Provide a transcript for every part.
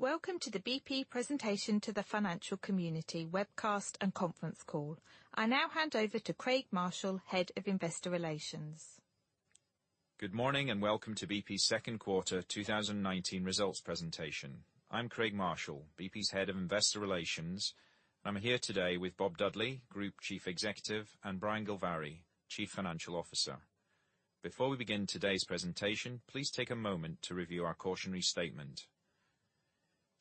Welcome to the BP presentation to the financial community webcast and conference call. I now hand over to Craig Marshall, Head of Investor Relations. Good morning and welcome to BP's second quarter 2019 results presentation. I'm Craig Marshall, BP's Head of Investor Relations. I'm here today with Bob Dudley, Group Chief Executive, and Brian Gilvary, Chief Financial Officer. Before we begin today's presentation, please take a moment to review our cautionary statement.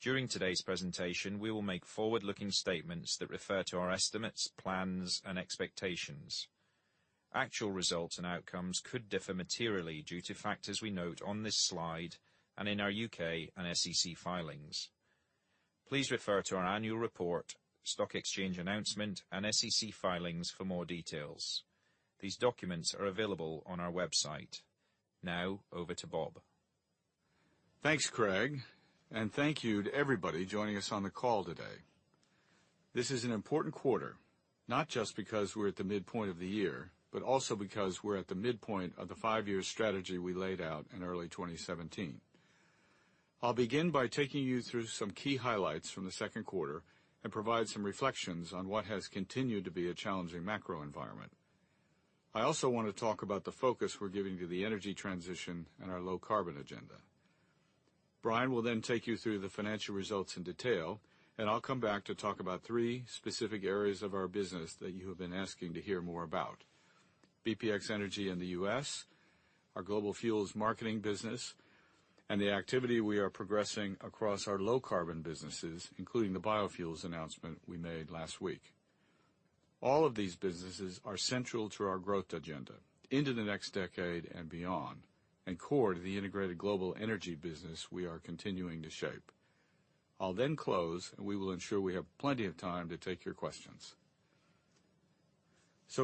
During today's presentation, we will make forward-looking statements that refer to our estimates, plans, and expectations. Actual results and outcomes could differ materially due to factors we note on this slide and in our U.K. and SEC filings. Please refer to our annual report, stock exchange announcement, and SEC filings for more details. These documents are available on our website. Now, over to Bob. Thanks, Craig. Thank you to everybody joining us on the call today. This is an important quarter, not just because we're at the midpoint of the year, but also because we're at the midpoint of the five-year strategy we laid out in early 2017. I'll begin by taking you through some key highlights from the second quarter and provide some reflections on what has continued to be a challenging macro environment. I also want to talk about the focus we're giving to the energy transition and our low carbon agenda. Brian will then take you through the financial results in detail, and I'll come back to talk about three specific areas of our business that you have been asking to hear more about. BPX Energy in the U.S., our global fuels marketing business, and the activity we are progressing across our low carbon businesses, including the biofuels announcement we made last week. All of these businesses are central to our growth agenda into the next decade and beyond, and core to the integrated global energy business we are continuing to shape. I'll close, and we will ensure we have plenty of time to take your questions.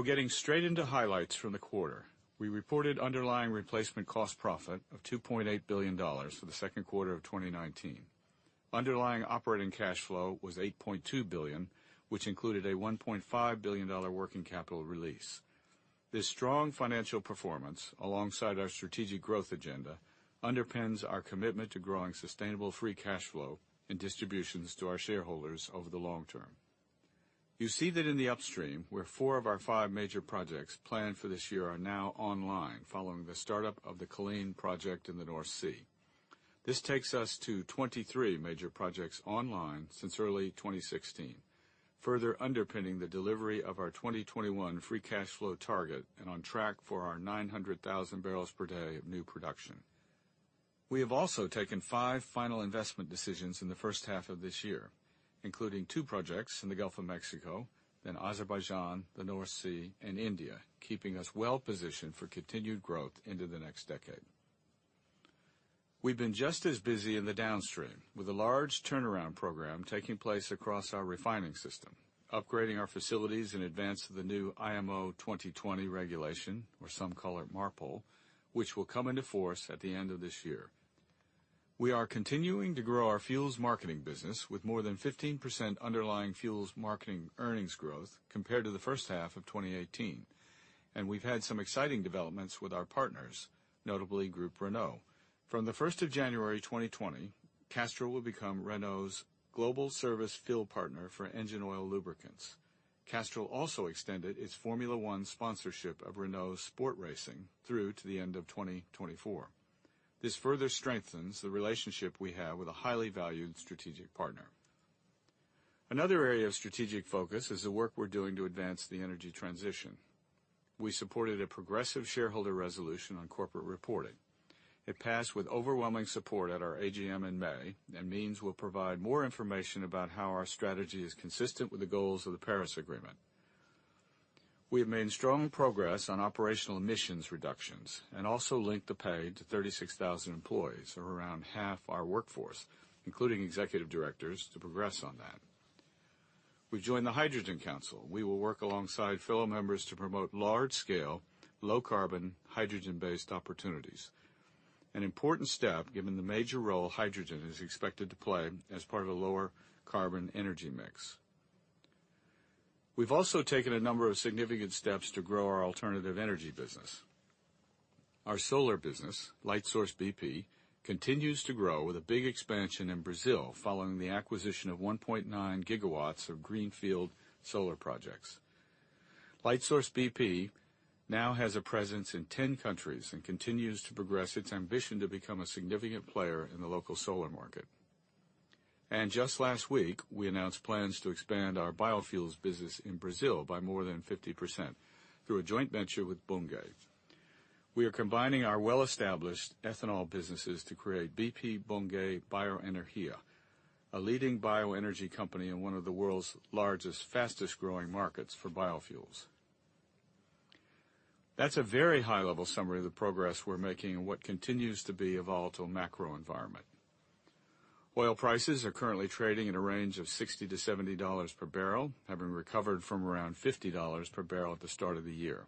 Getting straight into highlights from the quarter. We reported underlying replacement cost profit of $2.8 billion for the second quarter of 2019. Underlying operating cash flow was $8.2 billion, which included a $1.5 billion working capital release. This strong financial performance, alongside our strategic growth agenda, underpins our commitment to growing sustainable free cash flow and distributions to our shareholders over the long term. You see that in the upstream, where four of our five major projects planned for this year are now online following the startup of the Culzean project in the North Sea. This takes us to 23 major projects online since early 2016, further underpinning the delivery of our 2021 free cash flow target and on track for our 900,000 barrels per day of new production. We have also taken five final investment decisions in the first half of this year, including two projects in the Gulf of Mexico, Azerbaijan, the North Sea, and India, keeping us well-positioned for continued growth into the next decade. We've been just as busy in the downstream with a large turnaround program taking place across our refining system, upgrading our facilities in advance of the new IMO 2020 regulation, or some call it MARPOL, which will come into force at the end of this year. We are continuing to grow our fuels marketing business with more than 15% underlying fuels marketing earnings growth compared to the first half of 2018. We've had some exciting developments with our partners, notably Groupe Renault. From the 1st of January 2020, Castrol will become Renault's global service fuel partner for engine oil lubricants. Castrol also extended its Formula One sponsorship of Renault's sport racing through to the end of 2024. This further strengthens the relationship we have with a highly valued strategic partner. Another area of strategic focus is the work we're doing to advance the energy transition. We supported a progressive shareholder resolution on corporate reporting. It passed with overwhelming support at our AGM in May and means we'll provide more information about how our strategy is consistent with the goals of the Paris Agreement. We have made strong progress on operational emissions reductions and also linked the pay to 36,000 employees, or around half our workforce, including executive directors, to progress on that. We joined the Hydrogen Council. We will work alongside fellow members to promote large-scale, low-carbon, hydrogen-based opportunities. An important step given the major role hydrogen is expected to play as part of a lower carbon energy mix. We've also taken a number of significant steps to grow our alternative energy business. Our solar business, Lightsource BP, continues to grow with a big expansion in Brazil following the acquisition of 1.9 GW of greenfield solar projects. Lightsource BP now has a presence in 10 countries and continues to progress its ambition to become a significant player in the local solar market. Just last week, we announced plans to expand our biofuels business in Brazil by more than 50% through a joint venture with Bunge. We are combining our well-established ethanol businesses to create BP Bunge Bioenergia, a leading bioenergy company in one of the world's largest, fastest-growing markets for biofuels. That's a very high-level summary of the progress we're making in what continues to be a volatile macro environment. Oil prices are currently trading at a range of $60-$70 per barrel, having recovered from around $50 per barrel at the start of the year.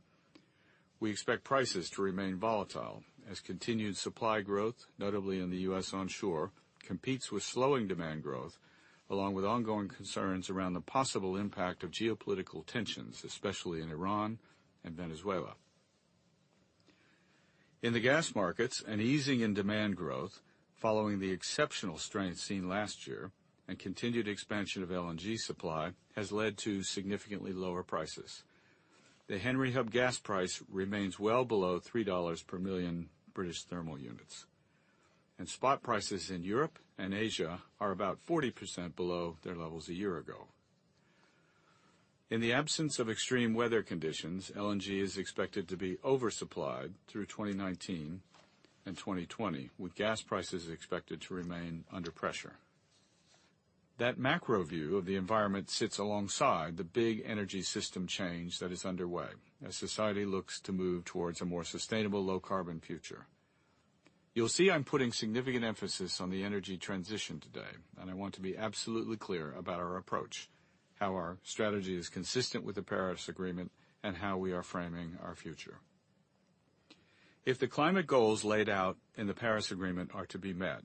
We expect prices to remain volatile as continued supply growth, notably in the U.S. onshore, competes with slowing demand growth, along with ongoing concerns around the possible impact of geopolitical tensions, especially in Iran and Venezuela. In the gas markets, an easing in demand growth following the exceptional strength seen last year and continued expansion of LNG supply has led to significantly lower prices. The Henry Hub gas price remains well below $3 per million British thermal units. Spot prices in Europe and Asia are about 40% below their levels a year ago. In the absence of extreme weather conditions, LNG is expected to be oversupplied through 2019 and 2020, with gas prices expected to remain under pressure. That macro view of the environment sits alongside the big energy system change that is underway as society looks to move towards a more sustainable low-carbon future. You'll see I'm putting significant emphasis on the energy transition today, and I want to be absolutely clear about our approach, how our strategy is consistent with the Paris Agreement, and how we are framing our future. If the climate goals laid out in the Paris Agreement are to be met,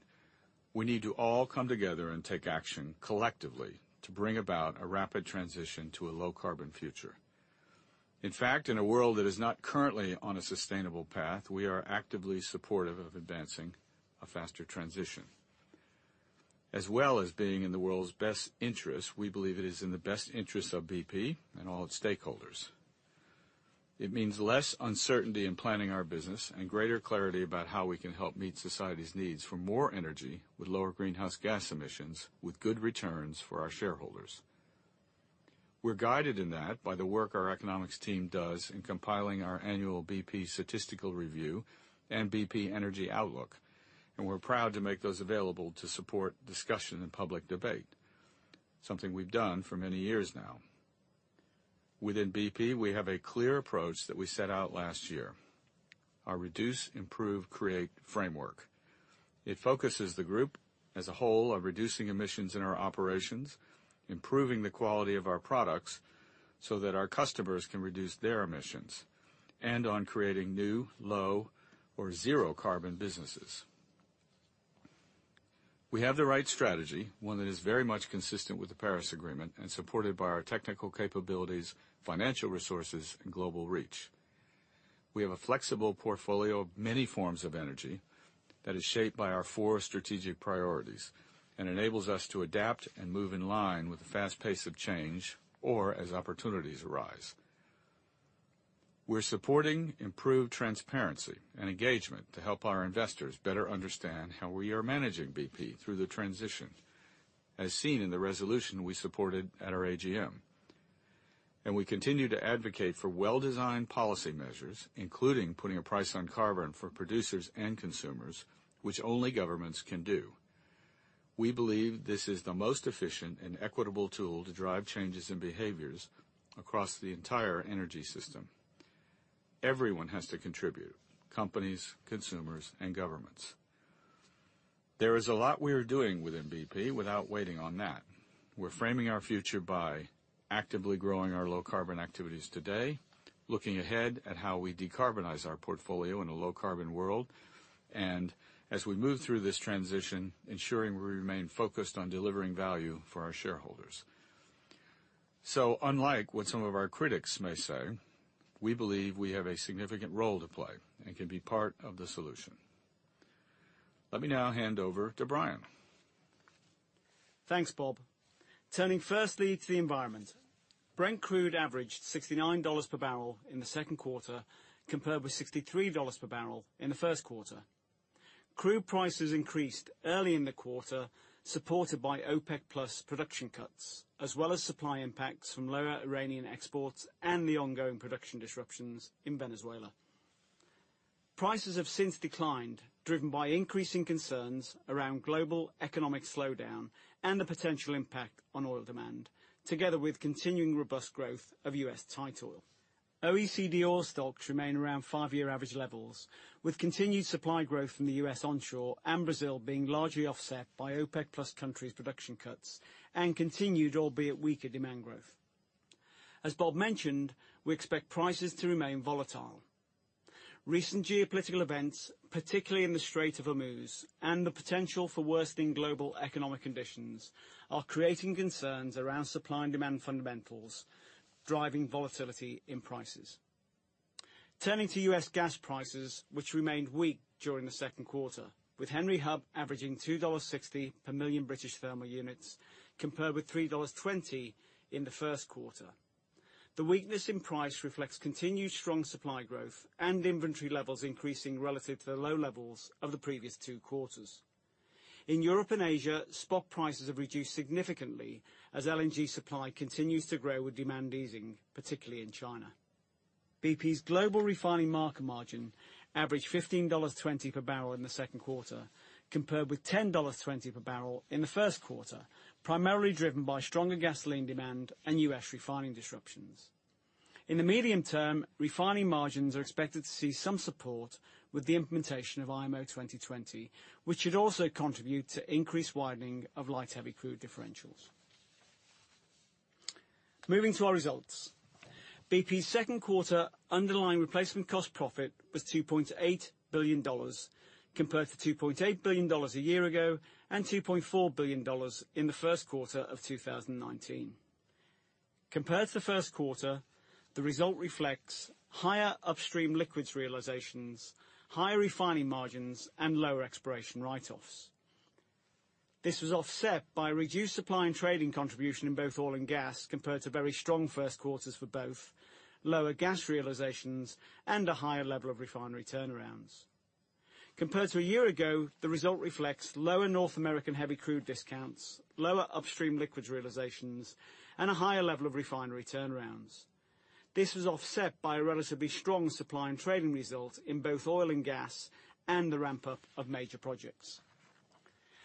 we need to all come together and take action collectively to bring about a rapid transition to a low-carbon future. In fact, in a world that is not currently on a sustainable path, we are actively supportive of advancing a faster transition. As well as being in the world's best interest, we believe it is in the best interest of BP and all its stakeholders. It means less uncertainty in planning our business and greater clarity about how we can help meet society's needs for more energy, with lower greenhouse gas emissions, with good returns for our shareholders. We're guided in that by the work our economics team does in compiling our annual BP Statistical Review and BP Energy Outlook. We're proud to make those available to support discussion and public debate, something we've done for many years now. Within BP, we have a clear approach that we set out last year, our Reduce, Improve, Create framework. It focuses the group as a whole on reducing emissions in our operations, improving the quality of our products so that our customers can reduce their emissions, on creating new, low, or zero-carbon businesses. We have the right strategy, one that is very much consistent with the Paris Agreement, supported by our technical capabilities, financial resources, and global reach. We have a flexible portfolio of many forms of energy that is shaped by our four strategic priorities and enables us to adapt and move in line with the fast pace of change or as opportunities arise. We're supporting improved transparency and engagement to help our investors better understand how we are managing BP through the transition, as seen in the resolution we supported at our AGM. We continue to advocate for well-designed policy measures, including putting a price on carbon for producers and consumers, which only governments can do. We believe this is the most efficient and equitable tool to drive changes in behaviors across the entire energy system. Everyone has to contribute, companies, consumers, and governments. There is a lot we are doing within BP without waiting on that. We're framing our future by actively growing our low-carbon activities today, looking ahead at how we decarbonize our portfolio in a low-carbon world, and as we move through this transition, ensuring we remain focused on delivering value for our shareholders. Unlike what some of our critics may say, we believe we have a significant role to play and can be part of the solution. Let me now hand over to Brian. Thanks, Bob. Turning firstly to the environment. Brent crude averaged $69 per barrel in the second quarter, compared with $63 per barrel in the first quarter. Crude prices increased early in the quarter, supported by OPEC+ production cuts, as well as supply impacts from lower Iranian exports and the ongoing production disruptions in Venezuela. Prices have since declined, driven by increasing concerns around global economic slowdown and the potential impact on oil demand, together with continuing robust growth of U.S. tight oil. OECD oil stocks remain around five-year average levels, with continued supply growth from the U.S. onshore and Brazil being largely offset by OPEC+ countries' production cuts and continued, albeit weaker, demand growth. As Bob mentioned, we expect prices to remain volatile. Recent geopolitical events, particularly in the Strait of Hormuz, and the potential for worsening global economic conditions are creating concerns around supply and demand fundamentals, driving volatility in prices. Turning to U.S. gas prices, which remained weak during the second quarter, with Henry Hub averaging $2.60 per million British thermal units, compared with $3.20 in the first quarter. The weakness in price reflects continued strong supply growth and inventory levels increasing relative to the low levels of the previous two quarters. In Europe and Asia, spot prices have reduced significantly as LNG supply continues to grow with demand easing, particularly in China. BP's global refining market margin averaged $15.20 per barrel in the second quarter, compared with $10.20 per barrel in the first quarter, primarily driven by stronger gasoline demand and U.S. refining disruptions. In the medium term, refining margins are expected to see some support with the implementation of IMO 2020, which should also contribute to increased widening of light heavy crude differentials. Moving to our results. BP's second quarter underlying replacement cost profit was $2.8 billion, compared to $2.8 billion a year ago and $2.4 billion in the first quarter of 2019. Compared to the first quarter, the result reflects higher upstream liquids realizations, higher refining margins, and lower exploration write-offs. This was offset by reduced supply and trading contribution in both oil and gas, compared to very strong first quarters for both, lower gas realizations, and a higher level of refinery turnarounds. Compared to a year ago, the result reflects lower North American heavy crude discounts, lower upstream liquids realizations, and a higher level of refinery turnarounds. This was offset by a relatively strong supply and trading result in both oil and gas and the ramp-up of major projects.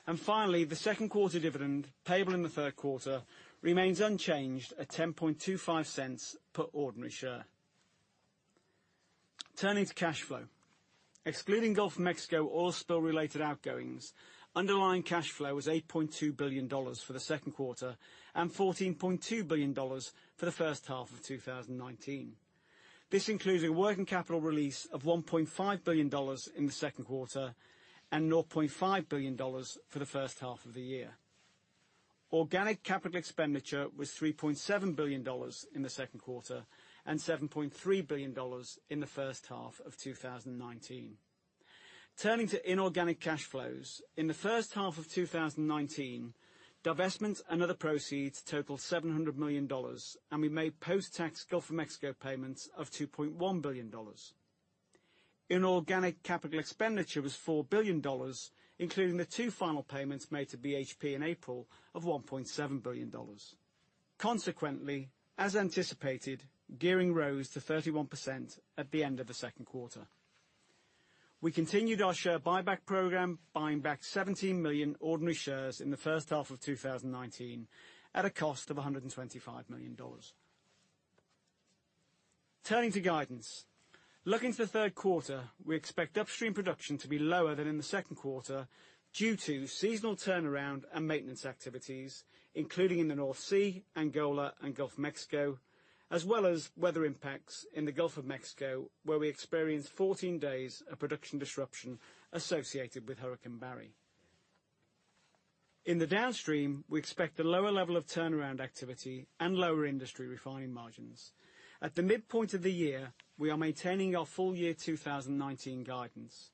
The second quarter dividend, payable in the third quarter, remains unchanged at $0.1025 per ordinary share. Turning to cash flow. Excluding Gulf of Mexico oil spill-related outgoings, underlying cash flow was $8.2 billion for the second quarter and $14.2 billion for the first half of 2019. This includes a working capital release of $1.5 billion in the second quarter and $0.5 billion for the first half of the year. Organic capital expenditure was $3.7 billion in the second quarter and $7.3 billion in the first half of 2019. Turning to inorganic cash flows. In the first half of 2019, divestments and other proceeds totaled $700 million, and we made post-tax Gulf of Mexico payments of $2.1 billion. Inorganic capital expenditure was $4 billion, including the two final payments made to BHP in April of $1.7 billion. Consequently, as anticipated, gearing rose to 31% at the end of the second quarter. We continued our share buyback program, buying back 17 million ordinary shares in the first half of 2019 at a cost of $125 million. Turning to guidance. Looking to the third quarter, we expect Upstream production to be lower than in the second quarter due to seasonal turnaround and maintenance activities, including in the North Sea, Angola, and Gulf of Mexico, as well as weather impacts in the Gulf of Mexico, where we experienced 14 days of production disruption associated with Hurricane Barry. In the Downstream, we expect a lower level of turnaround activity and lower industry refining margins. At the midpoint of the year, we are maintaining our full year 2019 guidance.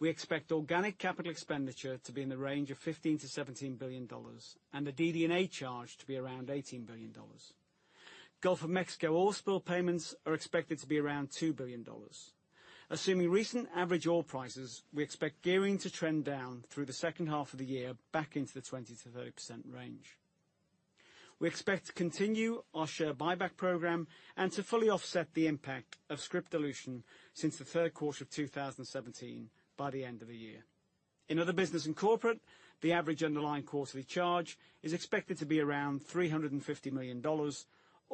We expect organic capital expenditure to be in the range of $15 billion-$17 billion and the DD&A charge to be around $18 billion. Gulf of Mexico oil spill payments are expected to be around $2 billion. Assuming recent average oil prices, we expect gearing to trend down through the second half of the year back into the 20%-30% range. We expect to continue our share buyback program and to fully offset the impact of scrip dilution since the third quarter of 2017 by the end of the year. In other business and corporate, the average underlying quarterly charge is expected to be around $350 million,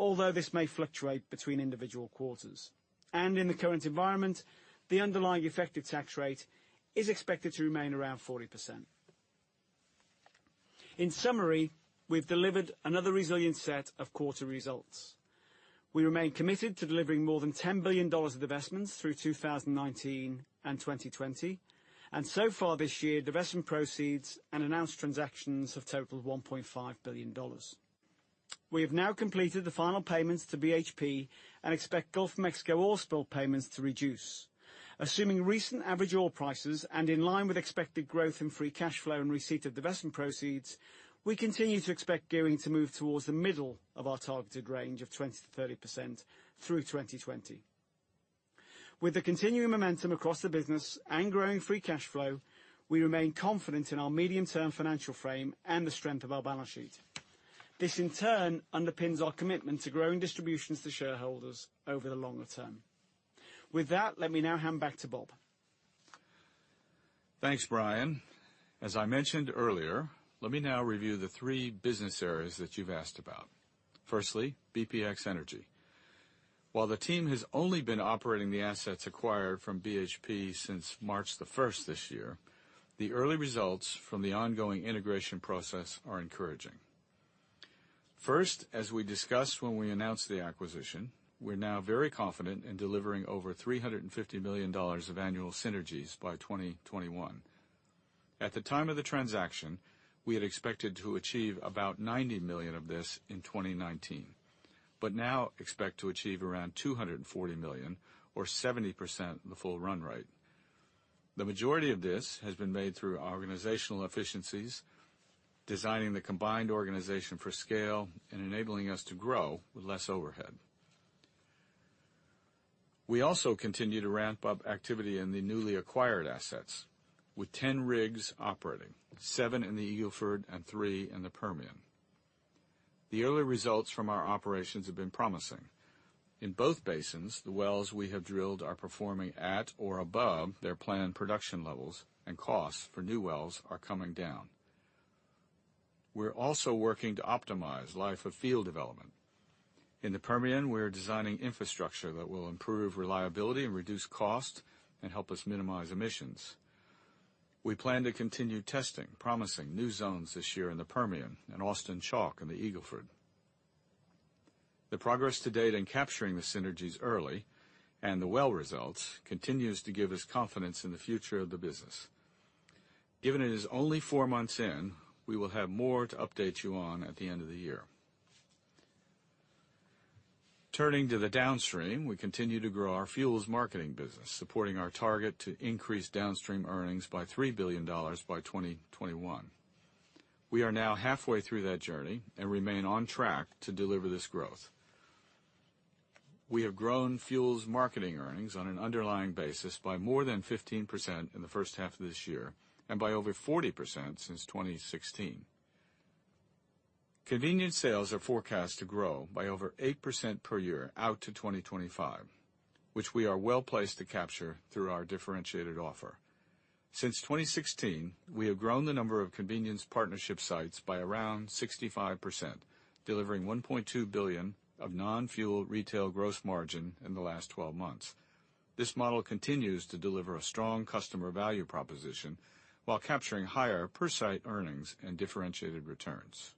although this may fluctuate between individual quarters. In the current environment, the underlying effective tax rate is expected to remain around 40%. In summary, we've delivered another resilient set of quarter results. We remain committed to delivering more than $10 billion of divestments through 2019 and 2020. So far this year, divestment proceeds and announced transactions have totaled $1.5 billion. We have now completed the final payments to BHP and expect Gulf of Mexico oil spill payments to reduce. Assuming recent average oil prices and in line with expected growth in free cash flow and receipt of divestment proceeds, we continue to expect gearing to move towards the middle of our targeted range of 20%-30% through 2020. With the continuing momentum across the business and growing free cash flow, we remain confident in our medium-term financial frame and the strength of our balance sheet. This in turn underpins our commitment to growing distributions to shareholders over the longer term. With that, let me now hand back to Bob. Thanks, Brian. As I mentioned earlier, let me now review the three business areas that you've asked about. Firstly, BPX Energy. While the team has only been operating the assets acquired from BHP since March the 1st this year, the early results from the ongoing integration process are encouraging. First, as we discussed when we announced the acquisition, we're now very confident in delivering over $350 million of annual synergies by 2021. At the time of the transaction, we had expected to achieve about $90 million of this in 2019, but now expect to achieve around $240 million, or 70% the full run rate. The majority of this has been made through organizational efficiencies, designing the combined organization for scale, and enabling us to grow with less overhead. We also continue to ramp up activity in the newly acquired assets. With 10 rigs operating, seven in the Eagle Ford and three in the Permian. The early results from our operations have been promising. In both basins, the wells we have drilled are performing at or above their planned production levels, and costs for new wells are coming down. We're also working to optimize life of field development. In the Permian, we're designing infrastructure that will improve reliability and reduce cost and help us minimize emissions. We plan to continue testing promising new zones this year in the Permian and Austin Chalk in the Eagle Ford. The progress to date in capturing the synergies early and the well results continues to give us confidence in the future of the business. Given it is only four months in, we will have more to update you on at the end of the year. Turning to the downstream, we continue to grow our fuels marketing business, supporting our target to increase downstream earnings by $3 billion by 2021. We are now halfway through that journey and remain on track to deliver this growth. We have grown fuels marketing earnings on an underlying basis by more than 15% in the first half of this year, and by over 40% since 2016. Convenience sales are forecast to grow by over 8% per year out to 2025, which we are well-placed to capture through our differentiated offer. Since 2016, we have grown the number of convenience partnership sites by around 65%, delivering $1.2 billion of non-fuel retail gross margin in the last 12 months. This model continues to deliver a strong customer value proposition while capturing higher per site earnings and differentiated returns.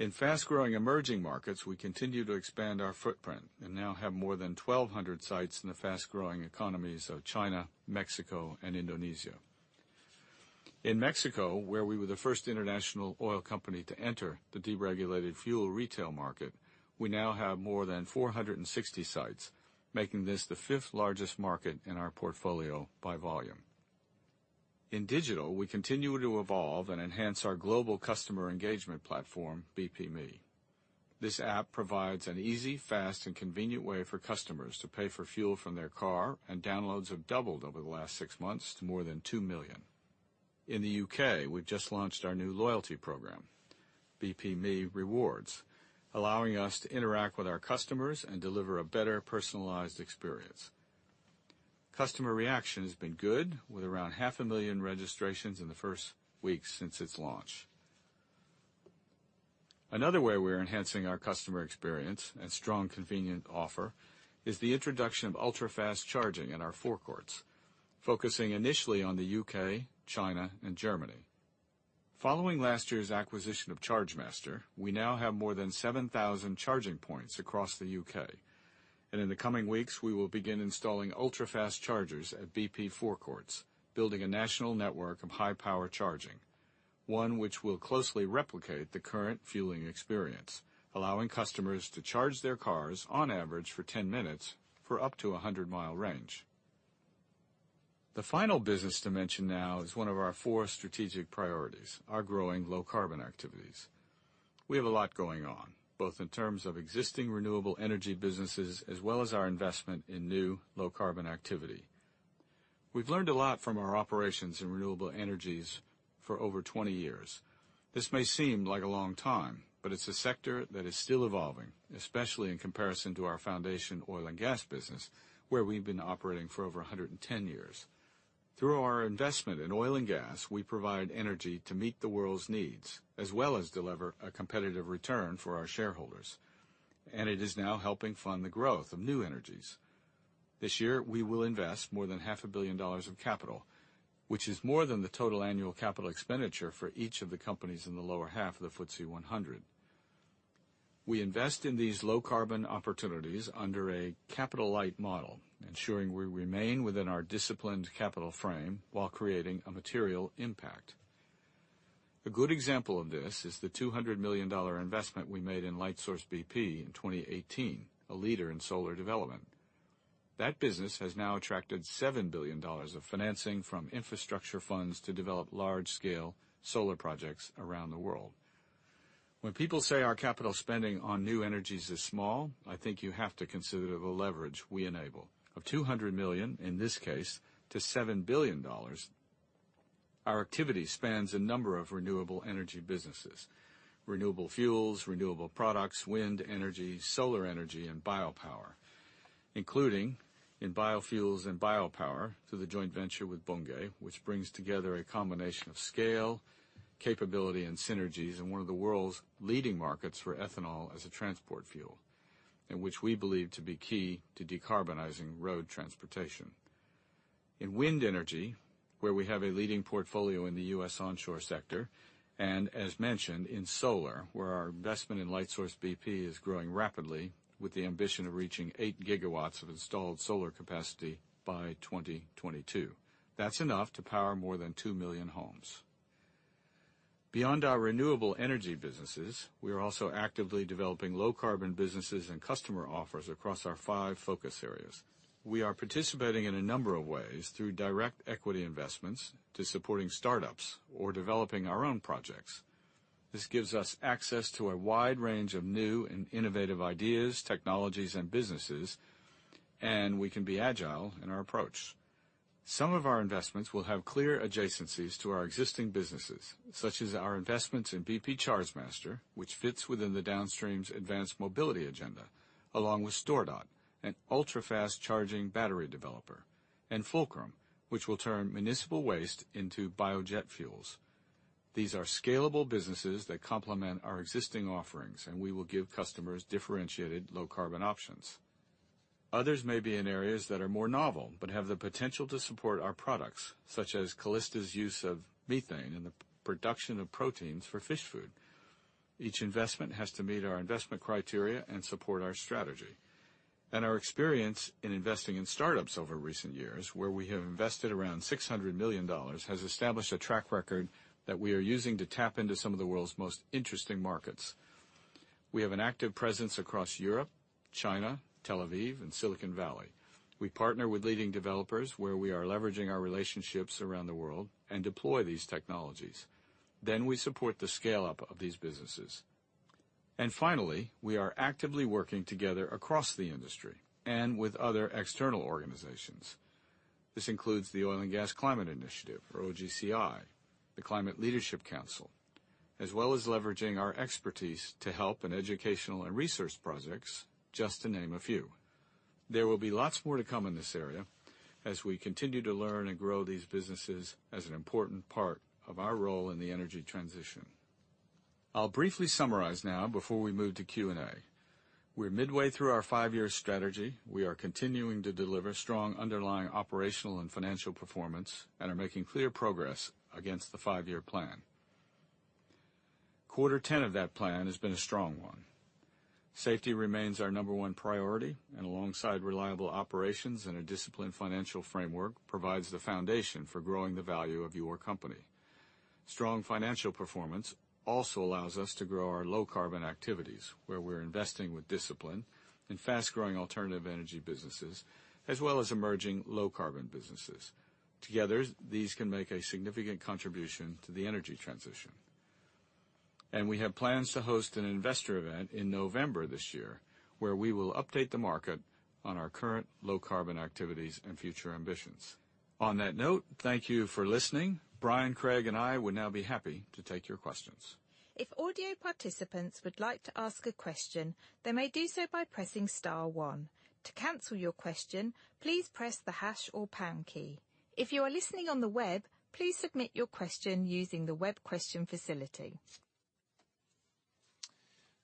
In fast-growing emerging markets, we continue to expand our footprint and now have more than 1,200 sites in the fast-growing economies of China, Mexico, and Indonesia. In Mexico, where we were the first international oil company to enter the deregulated fuel retail market, we now have more than 460 sites, making this the fifth largest market in our portfolio by volume. In digital, we continue to evolve and enhance our global customer engagement platform, BPme. This app provides an easy, fast, and convenient way for customers to pay for fuel from their car, and downloads have doubled over the last six months to more than 2 million. In the U.K., we've just launched our new loyalty program, BPme Rewards, allowing us to interact with our customers and deliver a better personalized experience. Customer reaction has been good, with around half a million registrations in the first week since its launch. Another way we're enhancing our customer experience and strong convenient offer is the introduction of ultra-fast charging in our forecourts, focusing initially on the U.K., China, and Germany. Following last year's acquisition of Chargemaster, we now have more than 7,000 charging points across the U.K., and in the coming weeks, we will begin installing ultra-fast chargers at BP forecourts, building a national network of high-power charging, one which will closely replicate the current fueling experience, allowing customers to charge their cars on average for 10 minutes for up to 100-mile range. The final business dimension now is one of our four strategic priorities, our growing low-carbon activities. We have a lot going on, both in terms of existing renewable energy businesses as well as our investment in new low-carbon activity. We've learned a lot from our operations in renewable energies for over 20 years. It's a sector that is still evolving, especially in comparison to our foundation oil and gas business, where we've been operating for over 110 years. Through our investment in oil and gas, we provide energy to meet the world's needs, as well as deliver a competitive return for our shareholders, and it is now helping fund the growth of new energies. This year, we will invest more than half a billion dollars of capital, which is more than the total annual capital expenditure for each of the companies in the lower half of the FTSE 100. We invest in these low-carbon opportunities under a capital-light model, ensuring we remain within our disciplined capital frame while creating a material impact. A good example of this is the $200 million investment we made in Lightsource BP in 2018, a leader in solar development. That business has now attracted $7 billion of financing from infrastructure funds to develop large-scale solar projects around the world. When people say our capital spending on new energies is small, I think you have to consider the leverage we enable. Of $200 million, in this case, to $7 billion, our activity spans a number of renewable energy businesses, renewable fuels, renewable products, wind energy, solar energy, and biopower, including in biofuels and biopower through the joint venture with Bunge, which brings together a combination of scale, capability, and synergies in one of the world's leading markets for ethanol as a transport fuel, and which we believe to be key to decarbonizing road transportation. In wind energy, where we have a leading portfolio in the U.S. onshore sector, and as mentioned in solar, where our investment in Lightsource BP is growing rapidly with the ambition of reaching 8 GW of installed solar capacity by 2022. That's enough to power more than two million homes. Beyond our renewable energy businesses, we are also actively developing low-carbon businesses and customer offers across our five focus areas. We are participating in a number of ways through direct equity investments to supporting startups or developing our own projects. This gives us access to a wide range of new and innovative ideas, technologies, and businesses. We can be agile in our approach. Some of our investments will have clear adjacencies to our existing businesses, such as our investments in BP Chargemaster, which fits within the downstream's advanced mobility agenda, along with StoreDot, an ultra-fast charging battery developer, and Fulcrum, which will turn municipal waste into biojet fuels. These are scalable businesses that complement our existing offerings, and we will give customers differentiated low-carbon options. Others may be in areas that are more novel but have the potential to support our products, such as Calysta's use of methane in the production of proteins for fish food. Each investment has to meet our investment criteria and support our strategy. Our experience in investing in startups over recent years, where we have invested around $600 million, has established a track record that we are using to tap into some of the world's most interesting markets. We have an active presence across Europe, China, Tel Aviv, and Silicon Valley. We partner with leading developers, where we are leveraging our relationships around the world and deploy these technologies. We support the scale-up of these businesses. Finally, we are actively working together across the industry and with other external organizations. This includes the Oil & Gas Climate Initiative, or OGCI, the Climate Leadership Council, as well as leveraging our expertise to help in educational and research projects, just to name a few. There will be lots more to come in this area as we continue to learn and grow these businesses as an important part of our role in the energy transition. I'll briefly summarize now before we move to Q&A. We're midway through our five-year strategy. We are continuing to deliver strong underlying operational and financial performance and are making clear progress against the five-year plan. Quarter 10 of that plan has been a strong one. Safety remains our number one priority, and alongside reliable operations and a disciplined financial framework, provides the foundation for growing the value of your company. Strong financial performance also allows us to grow our low-carbon activities, where we're investing with discipline in fast-growing alternative energy businesses, as well as emerging low-carbon businesses. Together, these can make a significant contribution to the energy transition. We have plans to host an investor event in November this year, where we will update the market on our current low-carbon activities and future ambitions. On that note, thank you for listening. Brian, Craig, and I would now be happy to take your questions. If audio participants would like to ask a question, they may do so by pressing star one. To cancel your question, please press the hash or pound key. If you are listening on the web, please submit your question using the web question facility.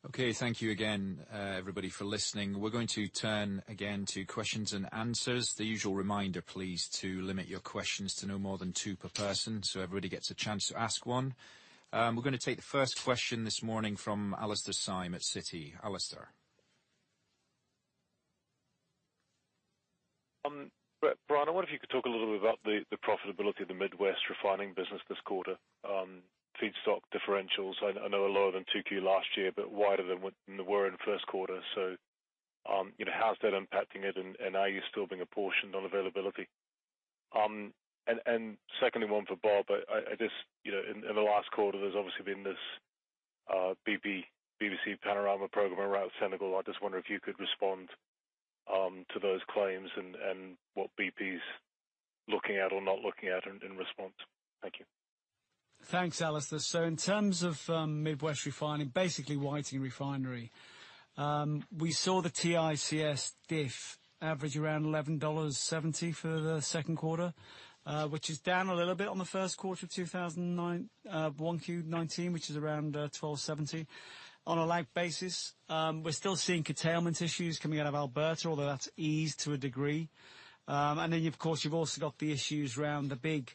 Okay. Thank you again, everybody for listening. We're going to turn again to questions and answers. The usual reminder, please, to limit your questions to no more than two per person so everybody gets a chance to ask one. We're going to take the first question this morning from Alastair Syme at Citi. Alastair. Brian, I wonder if you could talk a little bit about the profitability of the Midwest refining business this quarter. Feedstock differentials, I know are lower than 2Q last year, but wider than they were in the first quarter. How's that impacting it, and are you still being apportioned on availability? Secondly, one for Bob. In the last quarter, there's obviously been this BBC "Panorama" program around Senegal. I just wonder if you could respond to those claims and what BP's looking at or not looking at in response. Thank you. Thanks, Alastair. In terms of Midwest refining, basically Whiting Refinery, we saw the WTI-WCS diff average around $11.70 for the second quarter, which is down a little bit on the first quarter of 2019, 1Q 2019, which is around $12.70. On a like basis, we're still seeing curtailment issues coming out of Alberta, although that's eased to a degree. Of course, you've also got the issues around the big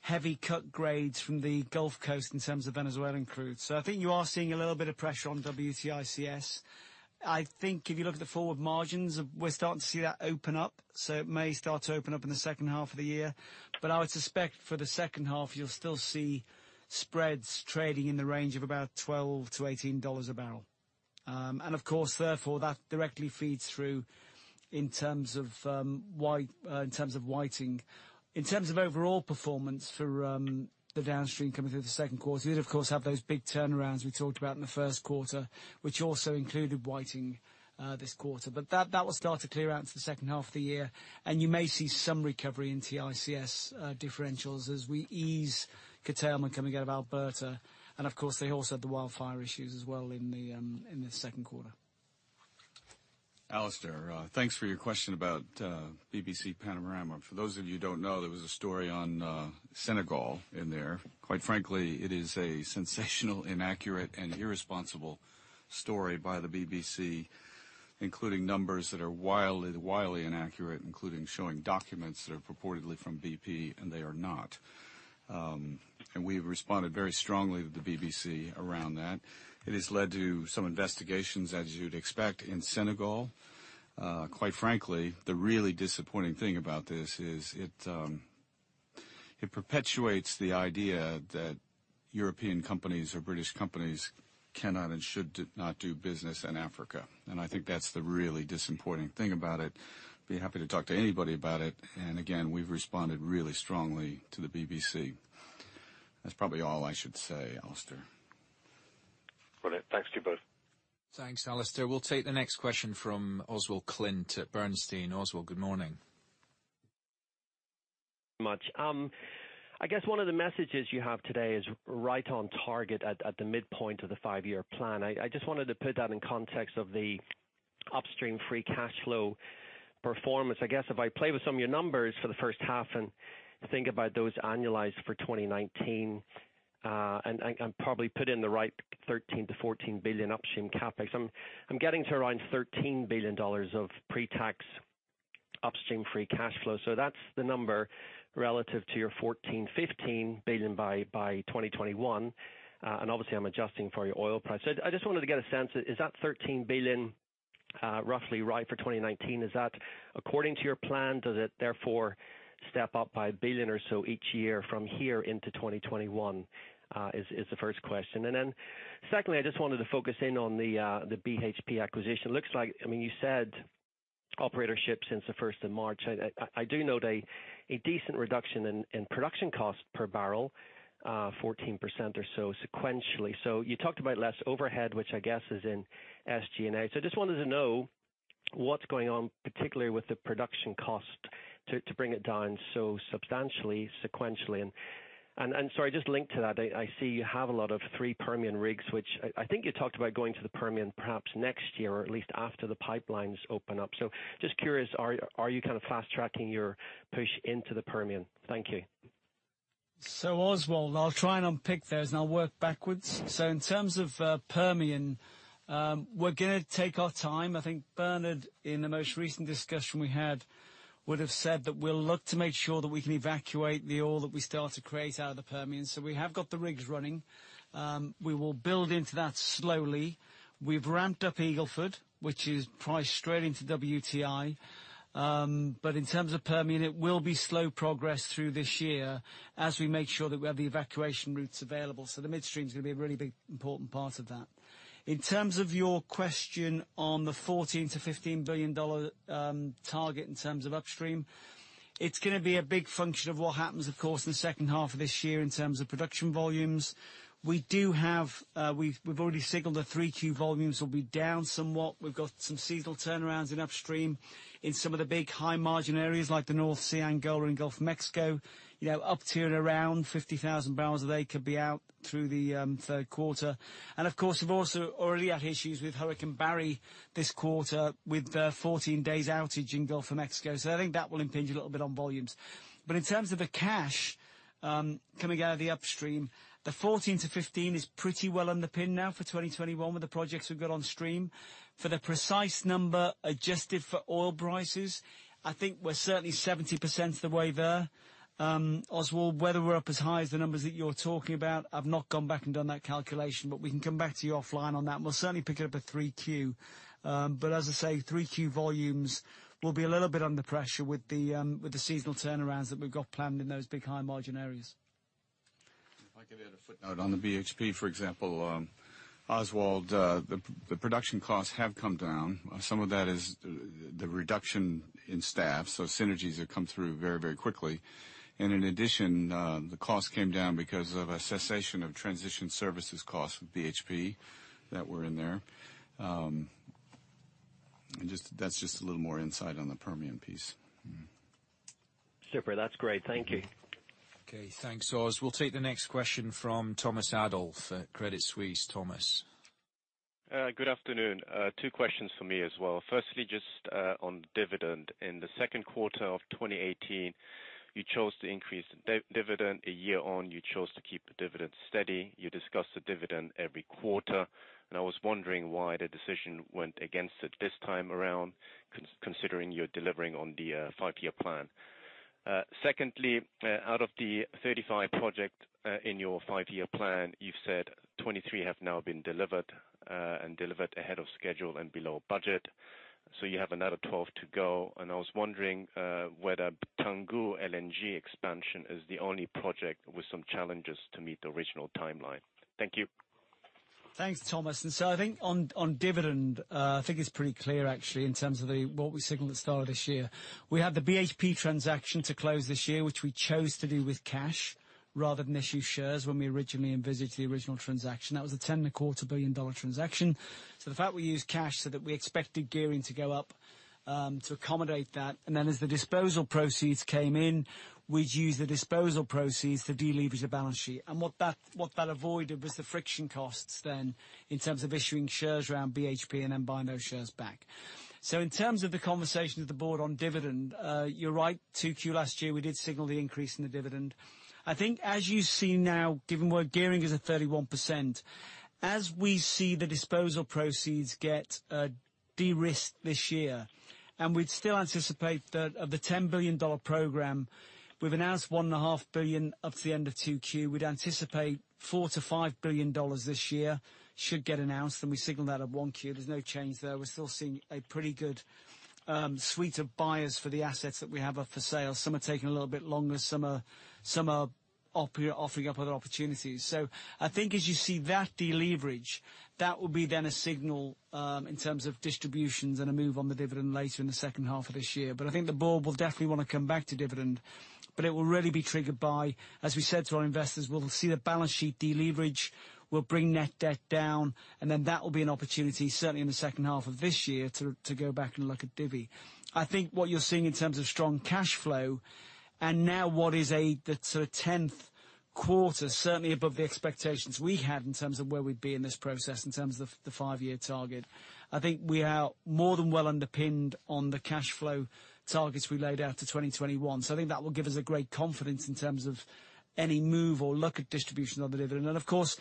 heavy cut grades from the Gulf Coast in terms of Venezuelan crude. I think you are seeing a little bit of pressure on WTI-WCS. I think if you look at the forward margins, we're starting to see that open up. It may start to open up in the second half of the year. I would suspect for the second half, you'll still see spreads trading in the range of about $12-$18 a barrel. Of course, therefore, that directly feeds through in terms of Whiting. In terms of overall performance for the downstream coming through the second quarter, we did of course have those big turnarounds we talked about in the first quarter, which also included Whiting this quarter. That will start to clear out into the second half of the year, and you may see some recovery in WTI-WCS differentials as we ease curtailment coming out of Alberta. Of course, they also had the wildfire issues as well in the second quarter. Alastair, thanks for your question about BBC Panorama. For those of you who don't know, there was a story on Senegal in there. Quite frankly, it is a sensational, inaccurate, and irresponsible story by the BBC, including numbers that are wildly inaccurate, including showing documents that are purportedly from BP and they are not. We've responded very strongly to the BBC around that. It has led to some investigations, as you'd expect, in Senegal. Quite frankly, the really disappointing thing about this is it perpetuates the idea that European companies or British companies cannot and should not do business in Africa. I think that's the really disappointing thing about it. I'd be happy to talk to anybody about it. Again, we've responded really strongly to the BBC. That's probably all I should say, Alastair. Brilliant. Thanks to you both. Thanks, Alastair. We'll take the next question from Oswald Clint at Bernstein. Oswald, good morning. I guess one of the messages you have today is right on target at the midpoint of the five-year plan. I just wanted to put that in context of the Upstream free cash flow performance. I guess if I play with some of your numbers for the first half and think about those annualized for 2019, I can probably put in the right $13 billion-$14 billion Upstream CapEx. I'm getting to around $13 billion of pretax Upstream free cash flow. That's the number relative to your $14 billion-$15 billion by 2021. Obviously, I'm adjusting for your oil price. I just wanted to get a sense, is that $13 billion roughly right for 2019? Is that according to your plan? Does it therefore step up by $1 billion or so each year from here into 2021? Is the first question. Then secondly, I just wanted to focus in on the BHP acquisition. Looks like, you said operatorship since the 1st of March. I do note a decent reduction in production cost per barrel, 14% or so sequentially. You talked about less overhead, which I guess is in SG&A. I just wanted to know what's going on, particularly with the production cost, to bring it down so substantially sequentially. Sorry, just linked to that, I see you have a lot of three Permian rigs, which I think you talked about going to the Permian perhaps next year or at least after the pipelines open up. Just curious, are you kind of fast-tracking your push into the Permian? Thank you. Oswald, I'll try and unpick those and I'll work backwards. In terms of Permian, we're going to take our time. I think Bernard, in the most recent discussion we had, would've said that we'll look to make sure that we can evacuate the oil that we start to create out of the Permian. We have got the rigs running. We will build into that slowly. We've ramped up Eagle Ford, which is priced straight into WTI. In terms of Permian, it will be slow progress through this year as we make sure that we have the evacuation routes available. The midstream's going to be a really big important part of that. In terms of your question on the $14 billion-$15 billion target in terms of upstream, it's going to be a big function of what happens of course in the second half of this year in terms of production volumes. We've already signaled the 3Q volumes will be down somewhat. We've got some seasonal turnarounds in upstream in some of the big high-margin areas like the North Sea, Angola, and Gulf of Mexico. Up to and around 50,000 barrels a day could be out through the third quarter. Of course, we've also already had issues with Hurricane Barry this quarter with the 14 days outage in Gulf of Mexico. In terms of the cash coming out of the Upstream, the $14 billion-$15 billion is pretty well underpinned now for 2021 with the projects we've got on stream. For the precise number adjusted for oil prices, I think we're certainly 70% of the way there. Oswald, whether we're up as high as the numbers that you're talking about, I've not gone back and done that calculation. We can come back to you offline on that, and we'll certainly pick it up at 3Q. As I say, 3Q volumes will be a little bit under pressure with the seasonal turnarounds that we've got planned in those big high-margin areas. If I could add a footnote on the BHP, for example, Oswald. The production costs have come down. Some of that is the reduction in staff. Synergies have come through very quickly. In addition, the cost came down because of a cessation of transition services cost with BHP that were in there. That's just a little more insight on the Permian piece. Super. That's great. Thank you. Okay, thanks Os. We'll take the next question from Thomas Adolff at Credit Suisse. Thomas. Good afternoon. Two questions from me as well. Firstly, just on dividend. In the second quarter of 2018, you chose to increase dividend. A year on, you chose to keep the dividend steady, you discussed the dividend every quarter. I was wondering why the decision went against it this time around, considering you're delivering on the five-year plan. Secondly, out of the 35 project in your five-year plan, you've said 23 have now been delivered, and delivered ahead of schedule and below budget. You have another 12 to go, and I was wondering whether Tangguh LNG expansion is the only project with some challenges to meet the original timeline. Thank you. Thanks, Thomas. I think on dividend, I think it's pretty clear actually in terms of what we signaled at the start of this year. We had the BHP transaction to close this year, which we chose to do with cash rather than issue shares when we originally envisaged the original transaction. That was a $10.25 billion transaction. The fact we used cash so that we expected gearing to go up, to accommodate that. As the disposal proceeds came in, we'd use the disposal proceeds to deleverage the balance sheet. What that avoided was the friction costs then in terms of issuing shares around BHP and then buying those shares back. In terms of the conversation with the Board on dividend, you're right. 2Q last year, we did signal the increase in the dividend. I think as you see now, given where gearing is at 31%, as we see the disposal proceeds get de-risked this year, and we'd still anticipate that of the $10 billion program, we've announced $1.5 billion up to the end of 2Q. We'd anticipate $4 billion-$5 billion this year should get announced, and we signaled that at 1Q. There's no change there. We're still seeing a pretty good suite of buyers for the assets that we have up for sale. Some are taking a little bit longer. Some are offering up other opportunities. I think as you see that deleverage, that will be then a signal in terms of distributions and a move on the dividend later in the second half of this year. I think the board will definitely want to come back to dividend, but it will really be triggered by, as we said to our investors, we'll see the balance sheet deleverage. We'll bring net debt down, and then that will be an opportunity certainly in the second half of this year to go back and look at divvy. I think what you're seeing in terms of strong cash flow, and now what is the sort of 10th quarter, certainly above the expectations we had in terms of where we'd be in this process in terms of the five-year target. I think we are more than well underpinned on the cash flow targets we laid out to 2021. I think that will give us a great confidence in terms of any move or look at distribution on the dividend. Of course,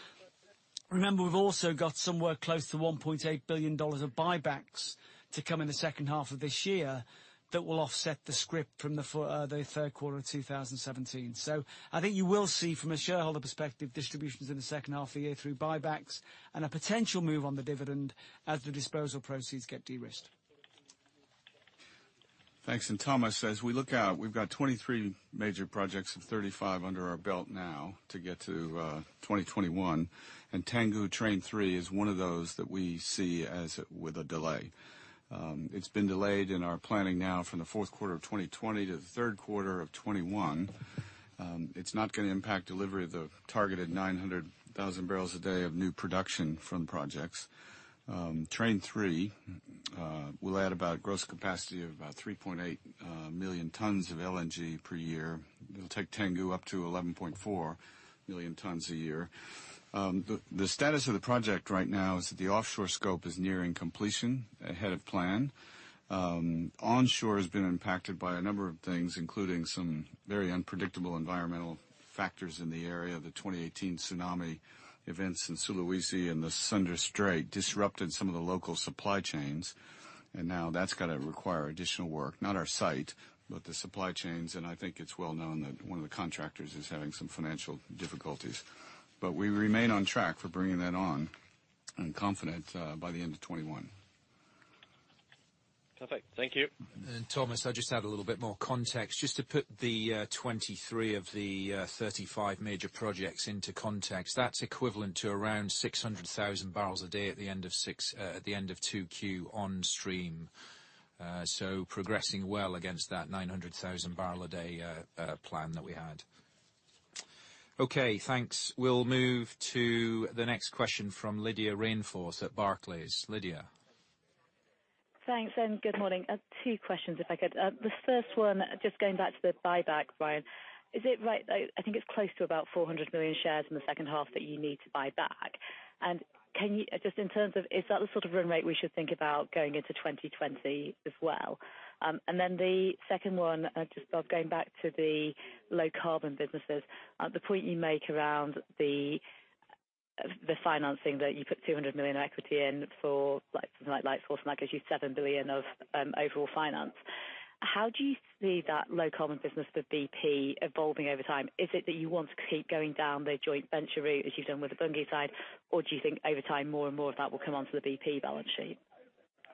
remember, we've also got somewhere close to $1.8 billion of buybacks to come in the second half of this year that will offset the scrip from the third quarter of 2017. I think you will see, from a shareholder perspective, distributions in the second half of the year through buybacks and a potential move on the dividend as the disposal proceeds get de-risked. Thanks. Thomas, as we look out, we've got 23 major projects of 35 under our belt now to get to 2021. Tangguh Train 3 is one of those that we see with a delay. It's been delayed in our planning now from the fourth quarter of 2020 to the third quarter of 2021. It's not going to impact delivery of the targeted 900,000 barrels a day of new production from projects. Train 3 will add about gross capacity of about 3.8 million tons of LNG per year. It'll take Tangguh up to 11.4 million tons a year. The status of the project right now is that the offshore scope is nearing completion ahead of plan. Onshore has been impacted by a number of things, including some very unpredictable environmental factors in the area. The 2018 tsunami events in Sulawesi and the Sunda Strait disrupted some of the local supply chains. Now that's got to require additional work, not our site, but the supply chains. I think it's well known that one of the contractors is having some financial difficulties. We remain on track for bringing that on and confident by the end of 2021. Perfect. Thank you. Thomas, I'll just add a little bit more context. Just to put the 23 of the 35 major projects into context, that's equivalent to around 600,000 bbl a day at the end of 2Q on stream. Progressing well against that 900,000 bbl a day plan that we had. Okay, thanks. We'll move to the next question from Lydia Rainforth at Barclays. Lydia. Thanks, good morning. Two questions if I could. The first one, just going back to the buyback, Brian. Is it right, I think it's close to about 400 million shares in the second half that you need to buy back. Just in terms of, is that the sort of run rate we should think about going into 2020 as well? The second one, just Bob going back to the low carbon businesses. The point you make around the financing that you put $200 million of equity in for something like Lightsource makes you $7 billion of overall finance. How do you see that low carbon business with BP evolving over time? Is it that you want to keep going down the joint venture route as you've done with the Bunge side, or do you think over time more and more of that will come onto the BP balance sheet?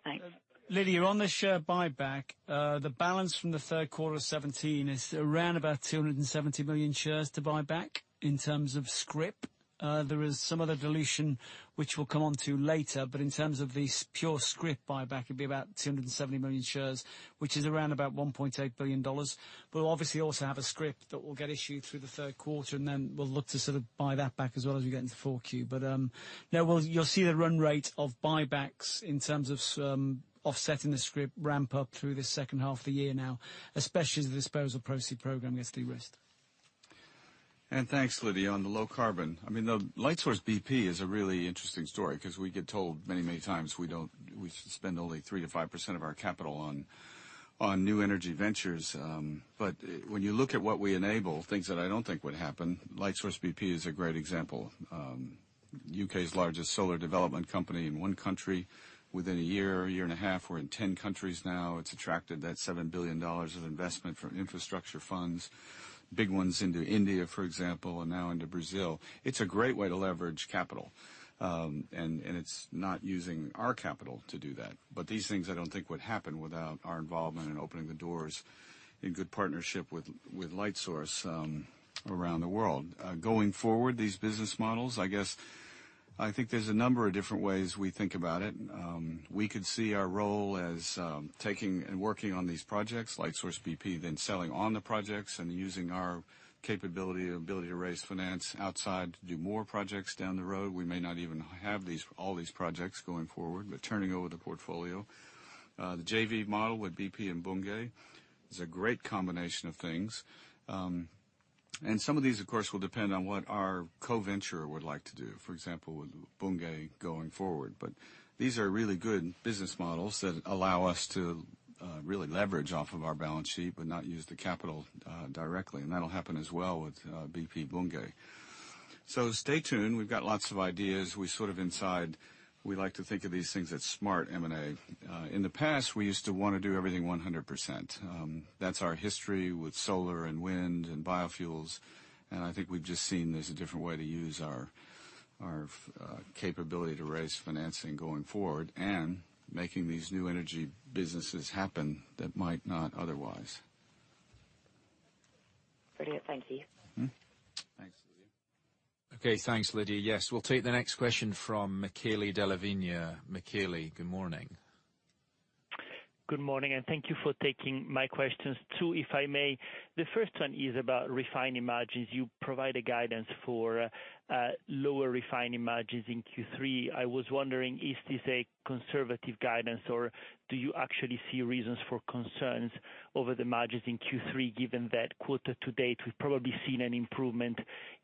Thanks. Lydia, on the share buyback, the balance from the third quarter of 2017 is around about 270 million shares to buy back in terms of scrip. There is some other dilution which we will come onto later, in terms of the pure scrip buyback, it would be about 270 million shares, which is around about $1.8 billion. We will obviously also have a scrip that will get issued through the third quarter, we will look to sort of buy that back as well as we get into 4Q. No, you will see the run rate of buybacks in terms of offsetting the scrip ramp up through this second half of the year now, especially as the disposal proceed program gets de-risked. Thanks, Lydia. On the low carbon. I mean, the Lightsource BP is a really interesting story because we get told many, many times we spend only 3%-5% of our capital on new energy ventures. When you look at what we enable, things that I don't think would happen, Lightsource BP is a great example. U.K.'s largest solar development company in one country within a year and a half. We're in 10 countries now. It's attracted that $7 billion of investment from infrastructure funds. Big ones into India, for example, and now into Brazil. It's a great way to leverage capital. It's not using our capital to do that. These things I don't think would happen without our involvement in opening the doors in good partnership with Lightsource around the world. Going forward, these business models, I guess, I think there's a number of different ways we think about it. We could see our role as taking and working on these projects, Lightsource BP, then selling on the projects and using our capability, ability to raise finance outside to do more projects down the road. We may not even have all these projects going forward, but turning over the portfolio. The JV model with BP and Bunge is a great combination of things. Some of these, of course, will depend on what our co-venture would like to do, for example, with Bunge going forward. These are really good business models that allow us to really leverage off of our balance sheet but not use the capital directly. That'll happen as well with BP Bunge. Stay tuned. We've got lots of ideas. We sort of inside, we like to think of these things as smart M&A. In the past, we used to want to do everything 100%. That's our history with solar and wind and biofuels, and I think we've just seen there's a different way to use our capability to raise financing going forward and making these new energy businesses happen that might not otherwise. Brilliant. Thank you. Thanks, Lydia. Okay. Thanks, Lydia. Yes, we'll take the next question from Michele Della Vigna. Michele, good morning. Good morning, and thank you for taking my questions. Two, if I may. The first one is about refining margins. You provide a guidance for lower refining margins in Q3. I was wondering, is this a conservative guidance or do you actually see reasons for concerns over the margins in Q3, given that quarter to date, we've probably seen an improvement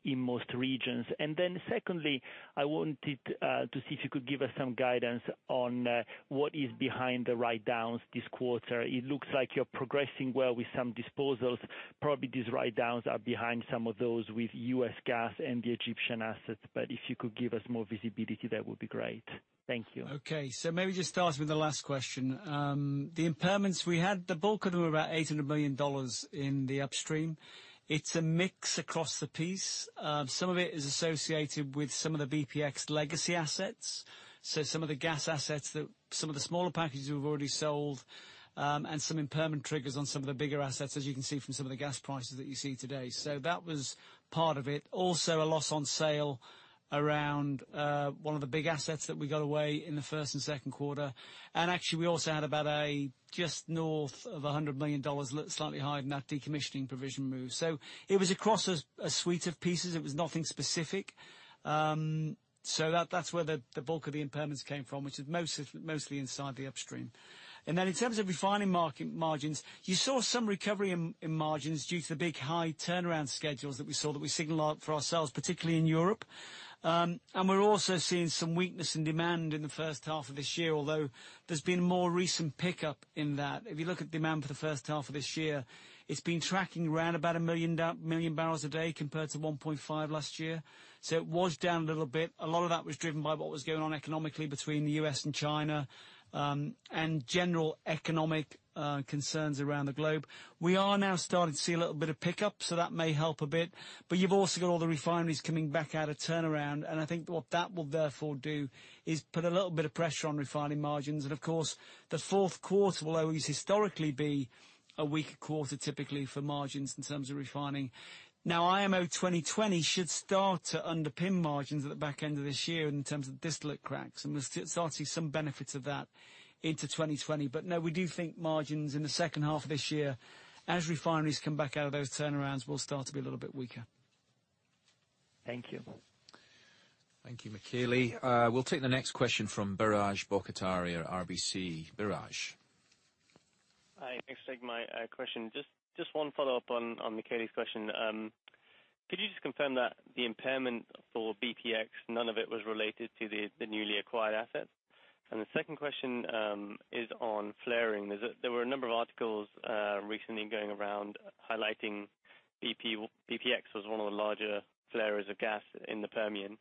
in most regions? Secondly, I wanted to see if you could give us some guidance on what is behind the write-downs this quarter. It looks like you're progressing well with some disposals. Probably these write-downs are behind some of those with U.S. gas and the Egyptian assets. If you could give us more visibility, that would be great. Thank you. Okay. Maybe just start with the last question. The impairments we had, the bulk of them were about $800 million in the upstream. It's a mix across the piece. Some of it is associated with some of the BPX legacy assets. Some of the gas assets, some of the smaller packages we've already sold, and some impairment triggers on some of the bigger assets, as you can see from some of the gas prices that you see today. That was part of it. Also, a loss on sale around one of the big assets that we got away in the first and second quarter. Actually, we also had about just north of $100 million, slightly higher than that decommissioning provision move. It was across a suite of pieces. It was nothing specific. That's where the bulk of the impairments came from, which is mostly inside the upstream. In terms of refining margins, you saw some recovery in margins due to the big high turnaround schedules that we saw that we signaled up for ourselves, particularly in Europe. We're also seeing some weakness in demand in the first half of this year, although there's been more recent pickup in that. If you look at demand for the first half of this year, it's been tracking around about one million barrels a day compared to 1.5 last year. It was down a little bit. A lot of that was driven by what was going on economically between the U.S. and China, and general economic concerns around the globe. We are now starting to see a little bit of pickup, so that may help a bit. You've also got all the refineries coming back at a turnaround, and I think what that will therefore do is put a little bit of pressure on refining margins. Of course, the fourth quarter will always historically be a weaker quarter, typically, for margins in terms of refining. IMO 2020 should start to underpin margins at the back end of this year in terms of distillate cracks. We'll start to see some benefits of that into 2020. No, we do think margins in the second half of this year, as refineries come back out of those turnarounds, will start to be a little bit weaker. Thank you. Thank you, Michele. We'll take the next question from Biraj Borkhataria at RBC. Biraj. Hi, thanks for taking my question. Just one follow-up on Michele's question. Could you just confirm that the impairment for BPX, none of it was related to the newly acquired assets? The second question is on flaring. There were a number of articles recently going around highlighting BPX was one of the larger flares of gas in the Permian.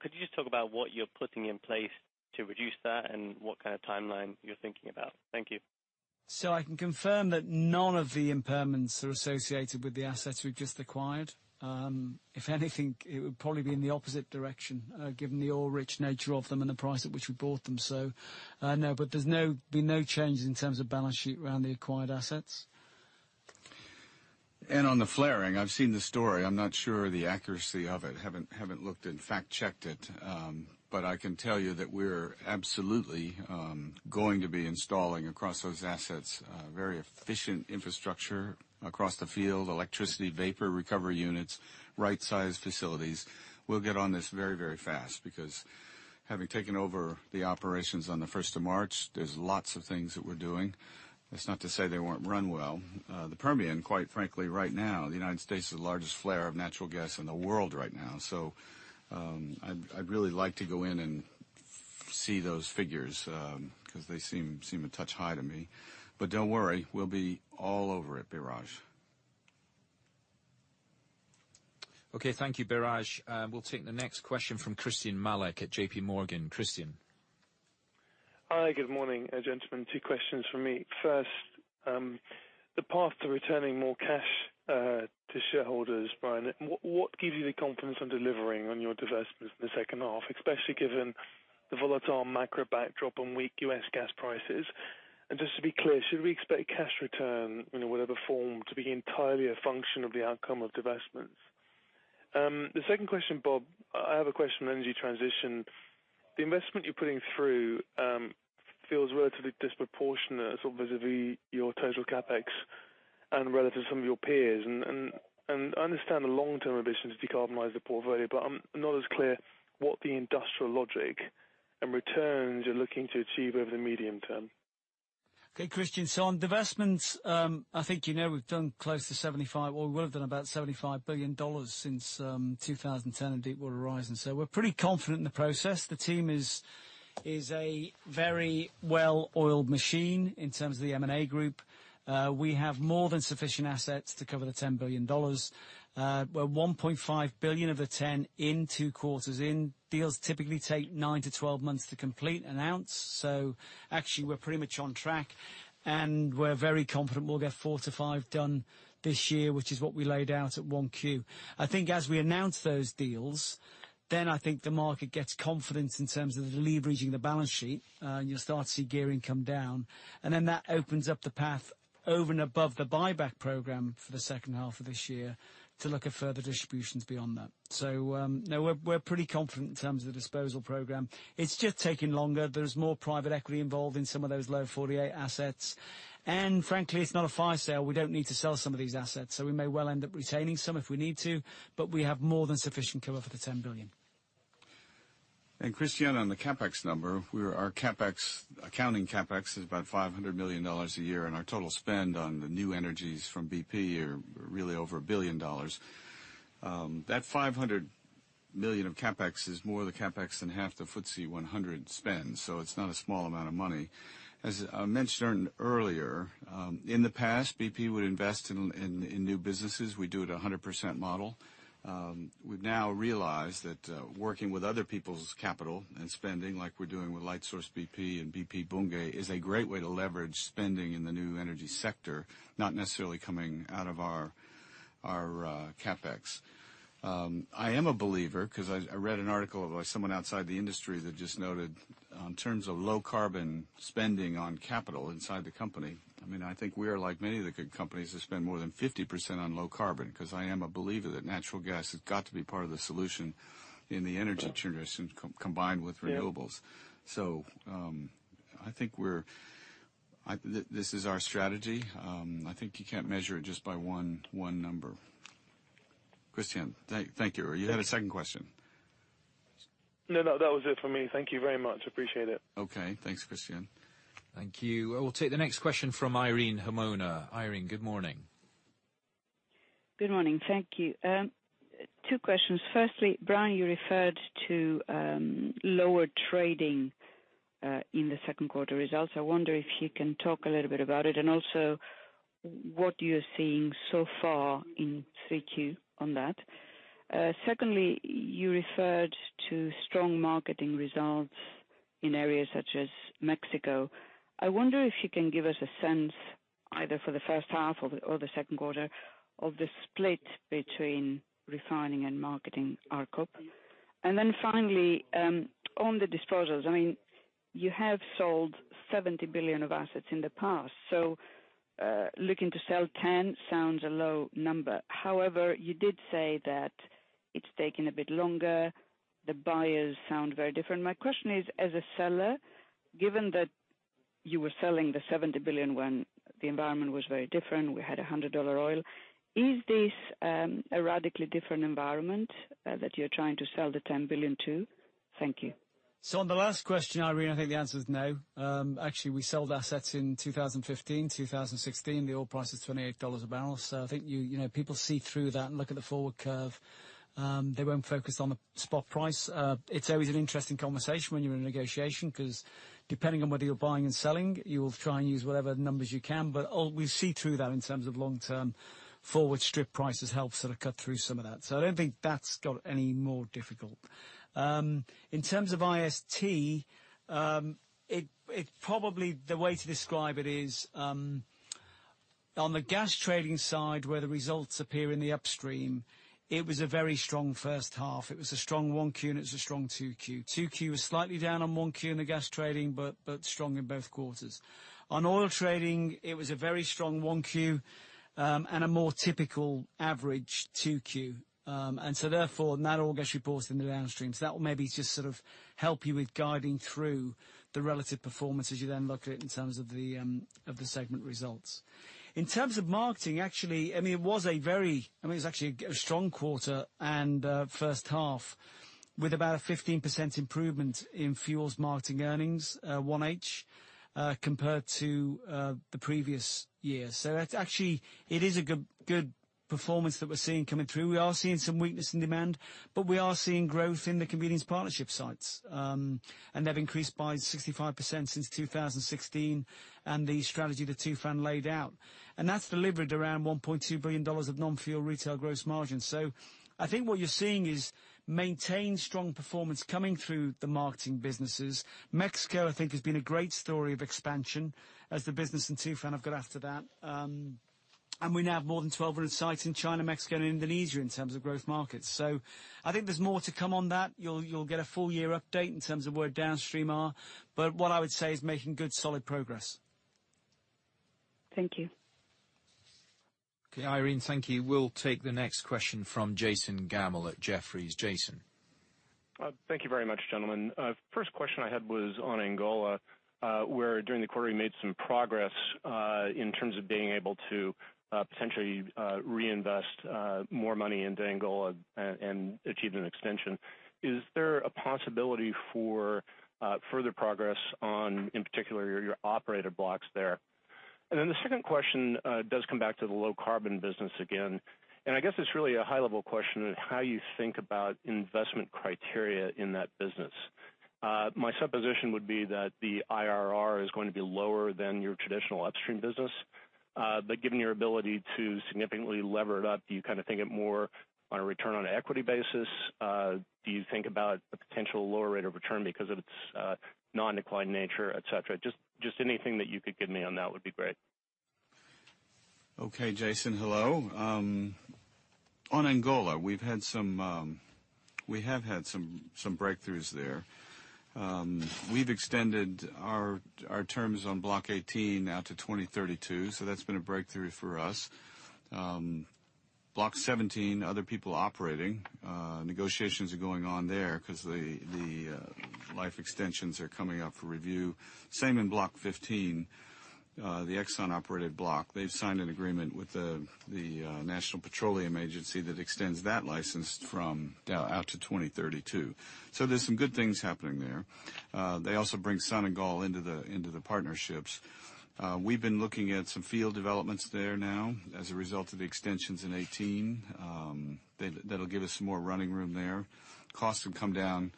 Could you just talk about what you're putting in place to reduce that and what kind of timeline you're thinking about? Thank you. I can confirm that none of the impairments are associated with the assets we've just acquired. If anything, it would probably be in the opposite direction, given the oil-rich nature of them and the price at which we bought them. No. There's been no changes in terms of balance sheet around the acquired assets. On the flaring, I've seen the story. I'm not sure of the accuracy of it. Haven't looked, in fact, checked it. I can tell you that we're absolutely going to be installing, across those assets, very efficient infrastructure across the field, electricity vapor recovery units, right-sized facilities. We'll get on this very, very fast because having taken over the operations on the 1st of March, there's lots of things that we're doing. That's not to say they weren't run well. The Permian, quite frankly, right now, the United States is the largest flare of natural gas in the world right now. I'd really like to go in and see those figures, because they seem a touch high to me. Don't worry, we'll be all over it, Biraj. Okay. Thank you, Biraj. We'll take the next question from Christyan Malek at JPMorgan. Christyan. Hi. Good morning, gentlemen. Two questions from me. First, the path to returning more cash to shareholders, Brian. What gives you the confidence on delivering on your divestments in the second half, especially given the volatile macro backdrop and weak U.S. gas prices? Just to be clear, should we expect cash return in whatever form to be entirely a function of the outcome of divestments? The second question, Bob. I have a question on energy transition. The investment you're putting through feels relatively disproportionate vis-à-vis your total CapEx and relative to some of your peers. I understand the long-term ambition is to decarbonize the portfolio, but I'm not as clear what the industrial logic and returns you're looking to achieve over the medium term. Okay, Christyan. On divestments, I think you know we've done close to $75 billion, or we would have done about $75 billion since 2010 at Deepwater Horizon. We're pretty confident in the process. The team is a very well-oiled machine in terms of the M&A group. We have more than sufficient assets to cover the $10 billion. We're $1.5 billion of the 10 in two quarters in. Deals typically take nine to 12 months to complete announce. Actually, we're pretty much on track, and we're very confident we'll get four to five done this year, which is what we laid out at 1Q. I think as we announce those deals, I think the market gets confidence in terms of the leveraging the balance sheet, and you'll start to see gearing come down. That opens up the path over and above the buyback program for the second half of this year to look at further distributions beyond that. No, we're pretty confident in terms of the disposal program. It's just taking longer. There's more private equity involved in some of those Low 48 assets. Frankly, it's not a fire sale. We don't need to sell some of these assets, so we may well end up retaining some if we need to, but we have more than sufficient cover for the $10 billion. Christyan, on the CapEx number, our accounting CapEx is about $500 million a year, our total spend on the new energies from BP are really over $1 billion. That $500 million of CapEx is more the CapEx than half the FTSE 100 spend, so it's not a small amount of money. As I mentioned earlier, in the past, BP would invest in new businesses. We do it 100% model. We've now realized that working with other people's capital and spending, like we're doing with Lightsource BP and BP Bunge, is a great way to leverage spending in the new energy sector, not necessarily coming out of our CapEx. I am a believer, because I read an article by someone outside the industry that just noted in terms of low carbon spending on capital inside the company. I think we are like many of the good companies that spend more than 50% on low carbon, because I am a believer that natural gas has got to be part of the solution in the energy transition combined with renewables. Yeah. I think this is our strategy. I think you can't measure it just by one number. Christyan, thank you. You had a second question. No, that was it for me. Thank you very much. Appreciate it. Okay. Thanks, Christyan. Thank you. I will take the next question from Irene Himona. Irene, good morning. Good morning. Thank you. Two questions. Firstly, Brian, you referred to lower trading in the second quarter results. I wonder if you can talk a little bit about it, and also what you're seeing so far in 3Q on that. Secondly, you referred to strong marketing results in areas such as Mexico. I wonder if you can give us a sense, either for the first half or the second quarter, of the split between refining and marketing RC OP. Finally, on the disposals, you have sold $70 billion of assets in the past, so looking to sell $10 billion sounds a low number. However, you did say that it's taken a bit longer. The buyers sound very different. My question is, as a seller, given that you were selling the $70 billion when the environment was very different, we had $100 oil, is this a radically different environment that you're trying to sell the $10 billion to? Thank you. On the last question, Irene, I think the answer is no. Actually, we sold assets in 2015, 2016. The oil price was $28 a barrel. I think people see through that and look at the forward curve. They won't focus on the spot price. It's always an interesting conversation when you're in a negotiation, because depending on whether you're buying and selling, you will try and use whatever numbers you can. We see through that in terms of long-term forward strip prices help sort of cut through some of that. I don't think that's got any more difficult. In terms of IST, probably the way to describe it is, on the gas trading side, where the results appear in the Upstream, it was a very strong first half. It was a strong 1Q, and it's a strong 2Q. 2Q was slightly down on 1Q in the gas trading, but strong in both quarters. On oil trading, it was a very strong 1Q, and a more typical average 2Q. Therefore, not all gets reported in the Downstream. That will maybe just sort of help you with guiding through the relative performance as you then look at it in terms of the segment results. In terms of marketing, actually, it was actually a strong quarter and first half with about a 15% improvement in fuels marketing earnings, 1H, compared to the previous year. Actually, it is a good performance that we're seeing coming through. We are seeing some weakness in demand, but we are seeing growth in the convenience partnership sites. They've increased by 65% since 2016, and the strategy that Tufan laid out. That's delivered around $1.2 billion of non-fuel retail gross margin. I think what you're seeing is maintained strong performance coming through the marketing businesses. Mexico, I think, has been a great story of expansion as the business, and Tufan have got after that. We now have more than 1,200 sites in China, Mexico, and Indonesia in terms of growth markets. I think there's more to come on that. You'll get a full year update in terms of where Downstream are. What I would say is making good, solid progress. Thank you. Okay, Irene, thank you. We'll take the next question from Jason Gammel at Jefferies. Jason. Thank you very much, gentlemen. First question I had was on Angola, where during the quarter, you made some progress in terms of being able to potentially reinvest more money into Angola and achieve an extension. Is there a possibility for further progress on, in particular, your operator blocks there? The second question does come back to the low-carbon business again. I guess it's really a high-level question of how you think about investment criteria in that business. My supposition would be that the IRR is going to be lower than your traditional upstream business. Given your ability to significantly lever it up, do you kind of think it more on a return on equity basis? Do you think about a potential lower rate of return because of its non-declining nature, et cetera? Just anything that you could give me on that would be great. Okay, Jason. Hello. On Angola, we have had some breakthroughs there. We've extended our terms on Block 18 now to 2032, that's been a breakthrough for us. Block 17, other people operating. Negotiations are going on there because the life extensions are coming up for review. Same in Block 15, the Exxon-operated block. They've signed an agreement with the National Petroleum Agency that extends that license from now out to 2032. There's some good things happening there. They also bring Sonangol into the partnerships. We've been looking at some field developments there now as a result of the extensions in 18. That'll give us some more running room there. Costs have come down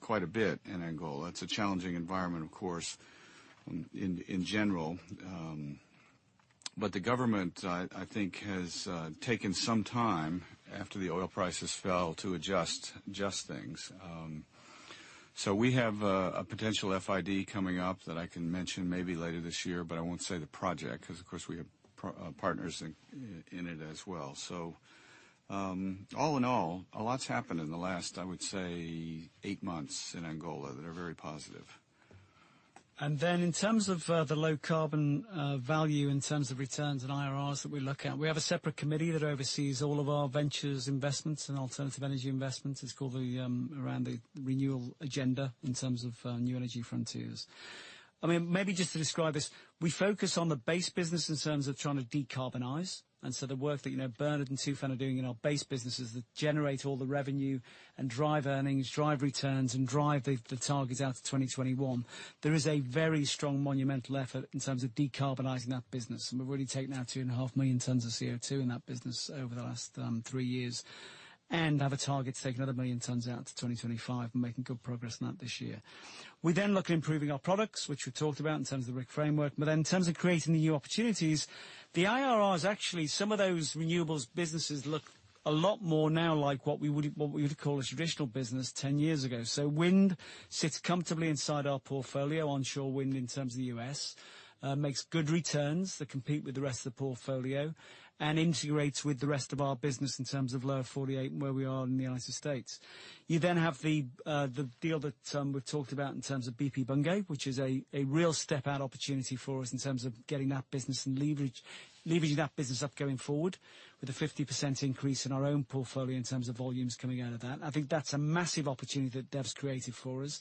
quite a bit in Angola. It's a challenging environment, of course, in general. The government, I think, has taken some time after the oil prices fell to adjust things. We have a potential FID coming up that I can mention maybe later this year, but I won't say the project because, of course, we have partners in it as well. All in all, a lot's happened in the last, I would say, eight months in Angola that are very positive. In terms of the low carbon value, in terms of returns and IRRs that we look at, we have a separate committee that oversees all of our ventures, investments and alternative energy investments. It's called the Renewal Agenda in terms of new energy frontiers. Maybe just to describe this, we focus on the base business in terms of trying to decarbonize. The work that Bernard and Tufan are doing in our base business is to generate all the revenue and drive earnings, drive returns, and drive the targets out to 2021. There is a very strong monumental effort in terms of decarbonizing that business, and we've already taken out 2.5 million tons of CO2 in that business over the last three years, and have a target to take another 1 million tons out to 2025. We're making good progress on that this year. We look at improving our products, which we talked about in terms of the RIC framework. In terms of creating the new opportunities, the IRRs, actually, some of those renewables businesses look a lot more now like what we would call a traditional business 10 years ago. Wind sits comfortably inside our portfolio, onshore wind in terms of the U.S. Makes good returns that compete with the rest of the portfolio and integrates with the rest of our business in terms of Lower 48 and where we are in the United States. You have the deal that we've talked about in terms of BP Bunge, which is a real step out opportunity for us in terms of getting that business and leveraging that business up going forward, with a 50% increase in our own portfolio in terms of volumes coming out of that. I think that's a massive opportunity that Dev's created for us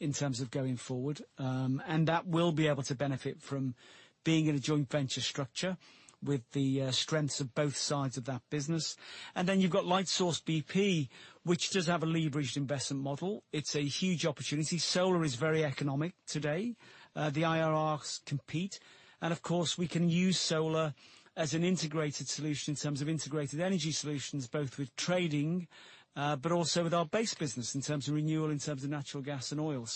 in terms of going forward. That will be able to benefit from being in a joint venture structure with the strengths of both sides of that business. You've got Lightsource BP, which does have a leveraged investment model. It's a huge opportunity. Solar is very economic today. The IRRs compete, and of course, we can use solar as an integrated solution in terms of integrated energy solutions, both with trading, but also with our base business in terms of renewal, in terms of natural gas and oil.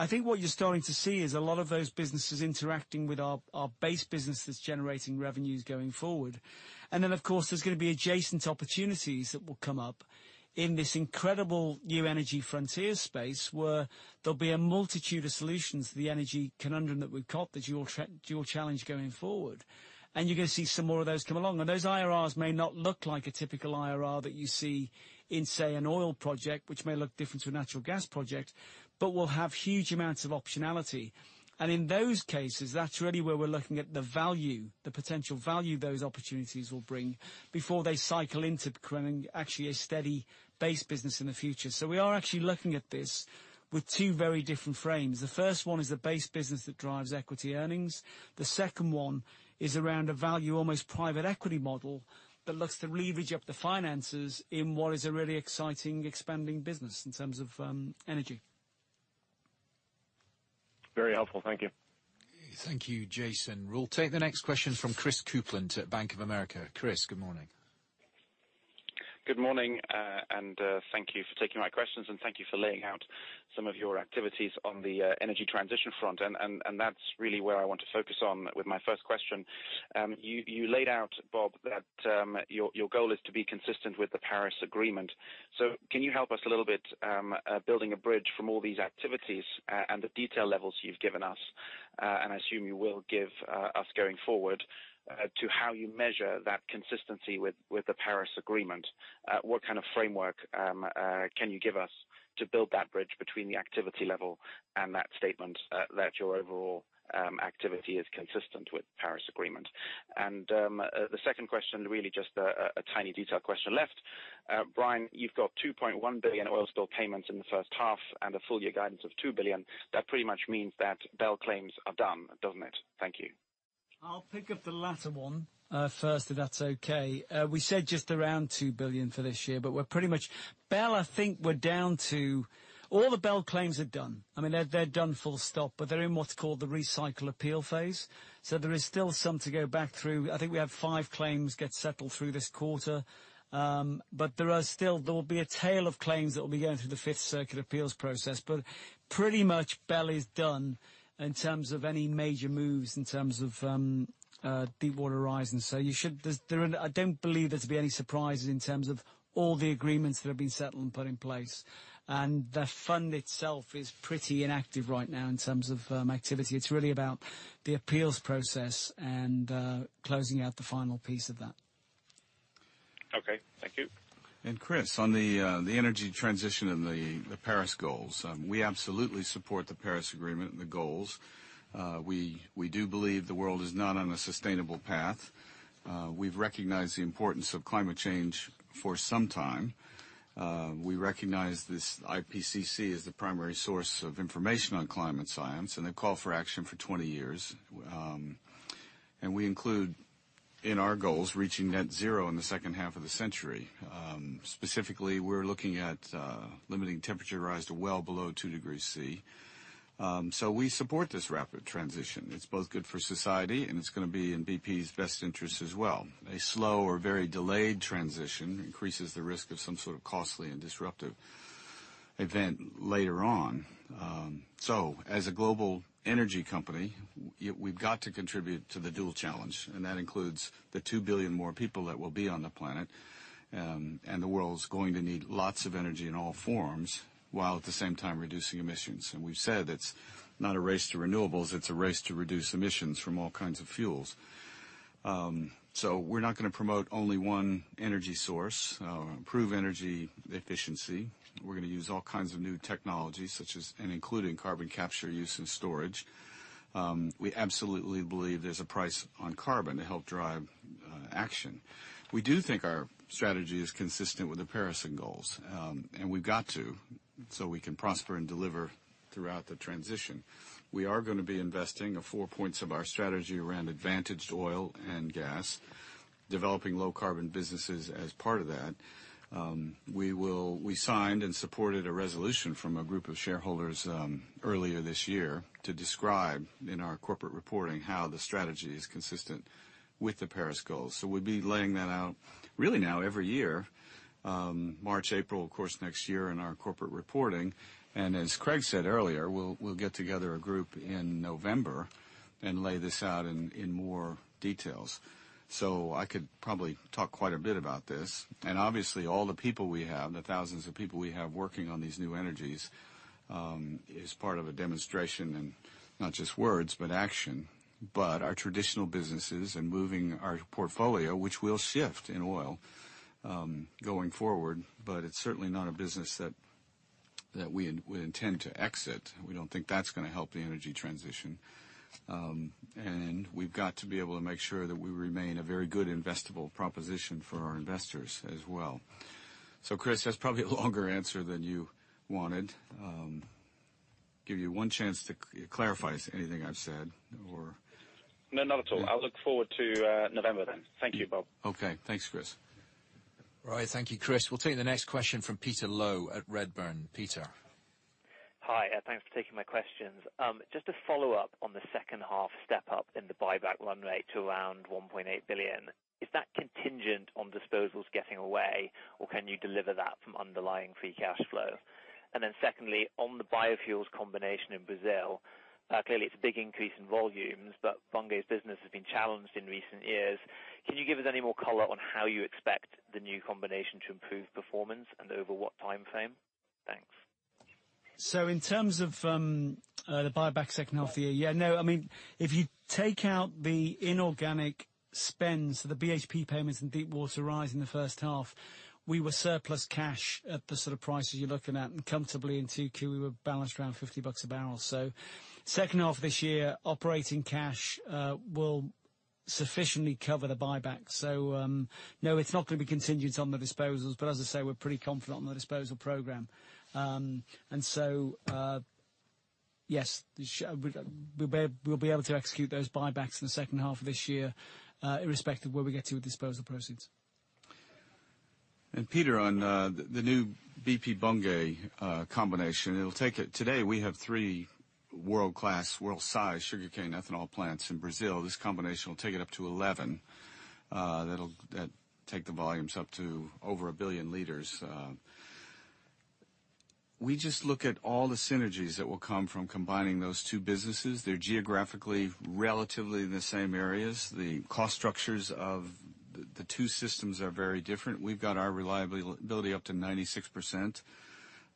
I think what you're starting to see is a lot of those businesses interacting with our base business that's generating revenues going forward. Of course, there's going to be adjacent opportunities that will come up in this incredible new energy frontier space, where there'll be a multitude of solutions to the energy conundrum that we've got, the dual challenge going forward. You're going to see some more of those come along. Those IRRs may not look like a typical IRR that you see in, say, an oil project, which may look different to a natural gas project, but will have huge amounts of optionality. In those cases, that's really where we're looking at the value, the potential value those opportunities will bring before they cycle into becoming actually a steady base business in the future. We are actually looking at this with two very different frames. The first one is the base business that drives equity earnings. The second one is around a value, almost private equity model that looks to leverage up the finances in what is a really exciting, expanding business in terms of energy. Very helpful. Thank you. Thank you, Jason. We'll take the next question from Chris Kuplent at Bank of America. Chris, good morning. Good morning. Thank you for taking my questions, and thank you for laying out some of your activities on the energy transition front. That's really where I want to focus on with my first question. You laid out, Bob, that your goal is to be consistent with the Paris Agreement. Can you help us a little bit building a bridge from all these activities and the detail levels you've given us, and I assume you will give us going forward, to how you measure that consistency with the Paris Agreement? What kind of framework can you give us to build that bridge between the activity level and that statement that your overall activity is consistent with the Paris Agreement? The second question, really just a tiny detail question left. Brian, you've got $2.1 billion oil spill payments in the first half and a full year guidance of $2 billion. That pretty much means that BEL claims are done, doesn't it? Thank you. I'll pick up the latter one first, if that's okay. We said just around $2 billion for this year, we're pretty much BEL, I think we're down to All the BEL claims are done. They're done full stop, but they're in what's called the recycle appeal phase. There is still some to go back through. I think we have five claims get settled through this quarter. There will be a tail of claims that will be going through the Fifth Circuit appeals process. Pretty much BEL is done in terms of any major moves in terms of Deepwater Horizon. I don't believe there to be any surprises in terms of all the agreements that have been settled and put in place. The fund itself is pretty inactive right now in terms of activity. It's really about the appeals process and closing out the final piece of that. Okay. Thank you. Chris, on the energy transition and the Paris goals, we absolutely support the Paris Agreement and the goals. We do believe the world is not on a sustainable path. We've recognized the importance of climate change for some time. We recognize this IPCC as the primary source of information on climate science, and they've called for action for 20 years. We include in our goals reaching net zero in the second half of the century. Specifically, we're looking at limiting temperature rise to well below 2 degrees Celsius. We support this rapid transition. It's both good for society, and it's going to be in BP's best interest as well. A slow or very delayed transition increases the risk of some sort of costly and disruptive event later on. As a global energy company, we've got to contribute to the dual challenge, and that includes the 2 billion more people that will be on the planet. The world's going to need lots of energy in all forms while at the same time reducing emissions. We've said it's not a race to renewables, it's a race to reduce emissions from all kinds of fuels. We're not going to promote only one energy source, improve energy efficiency. We're going to use all kinds of new technologies, such as and including carbon capture use and storage. We absolutely believe there's a price on carbon to help drive action. We do think our strategy is consistent with the Paris goals. We've got to, so we can prosper and deliver throughout the transition. We are going to be investing four points of our strategy around advantaged oil and gas, developing low carbon businesses as part of that. We signed and supported a resolution from a group of shareholders earlier this year to describe in our corporate reporting how the strategy is consistent with the Paris goals. We'll be laying that out really now every year, March, April, of course, next year in our corporate reporting. As Craig said earlier, we'll get together a group in November and lay this out in more details. I could probably talk quite a bit about this. Obviously all the people we have, the thousands of people we have working on these new energies, is part of a demonstration in not just words, but action. Our traditional businesses and moving our portfolio, which will shift in oil, going forward. It's certainly not a business that we intend to exit. We don't think that's going to help the energy transition. We've got to be able to make sure that we remain a very good investable proposition for our investors as well. Chris, that's probably a longer answer than you wanted. Give you one chance to clarify anything I've said. No, not at all. I look forward to November then. Thank you, Bob. Okay. Thanks, Chris. Right. Thank you, Chris. We'll take the next question from Peter Low at Redburn. Peter. Hi. Thanks for taking my questions. Just a follow-up on the second half step up in the buyback run rate to around $1.8 billion. Is that contingent on disposals getting away, or can you deliver that from underlying free cash flow? Secondly, on the biofuels combination in Brazil, clearly it's a big increase in volumes, but Bunge's business has been challenged in recent years. Can you give us any more color on how you expect the new combination to improve performance and over what timeframe? Thanks. In terms of the buyback second half of the year, if you take out the inorganic spends, the BHP payments and Deepwater Horizon in the first half, we were surplus cash at the sort of prices you're looking at, and comfortably in 2Q, we were balanced around $50 a barrel. Second half of this year, operating cash will sufficiently cover the buyback. No, it's not going to be contingent on the disposals. As I say, we're pretty confident on the disposal program. Yes, we'll be able to execute those buybacks in the second half of this year, irrespective of where we get to with disposal proceeds. Peter, on the new BP Bunge combination, today we have three world-class, world-size sugarcane ethanol plants in Brazil. This combination will take it up to 11. That'll take the volumes up to over 1 billion liters. We just look at all the synergies that will come from combining those two businesses. They're geographically relatively in the same areas. The cost structures of the two systems are very different. We've got our reliability up to 96%.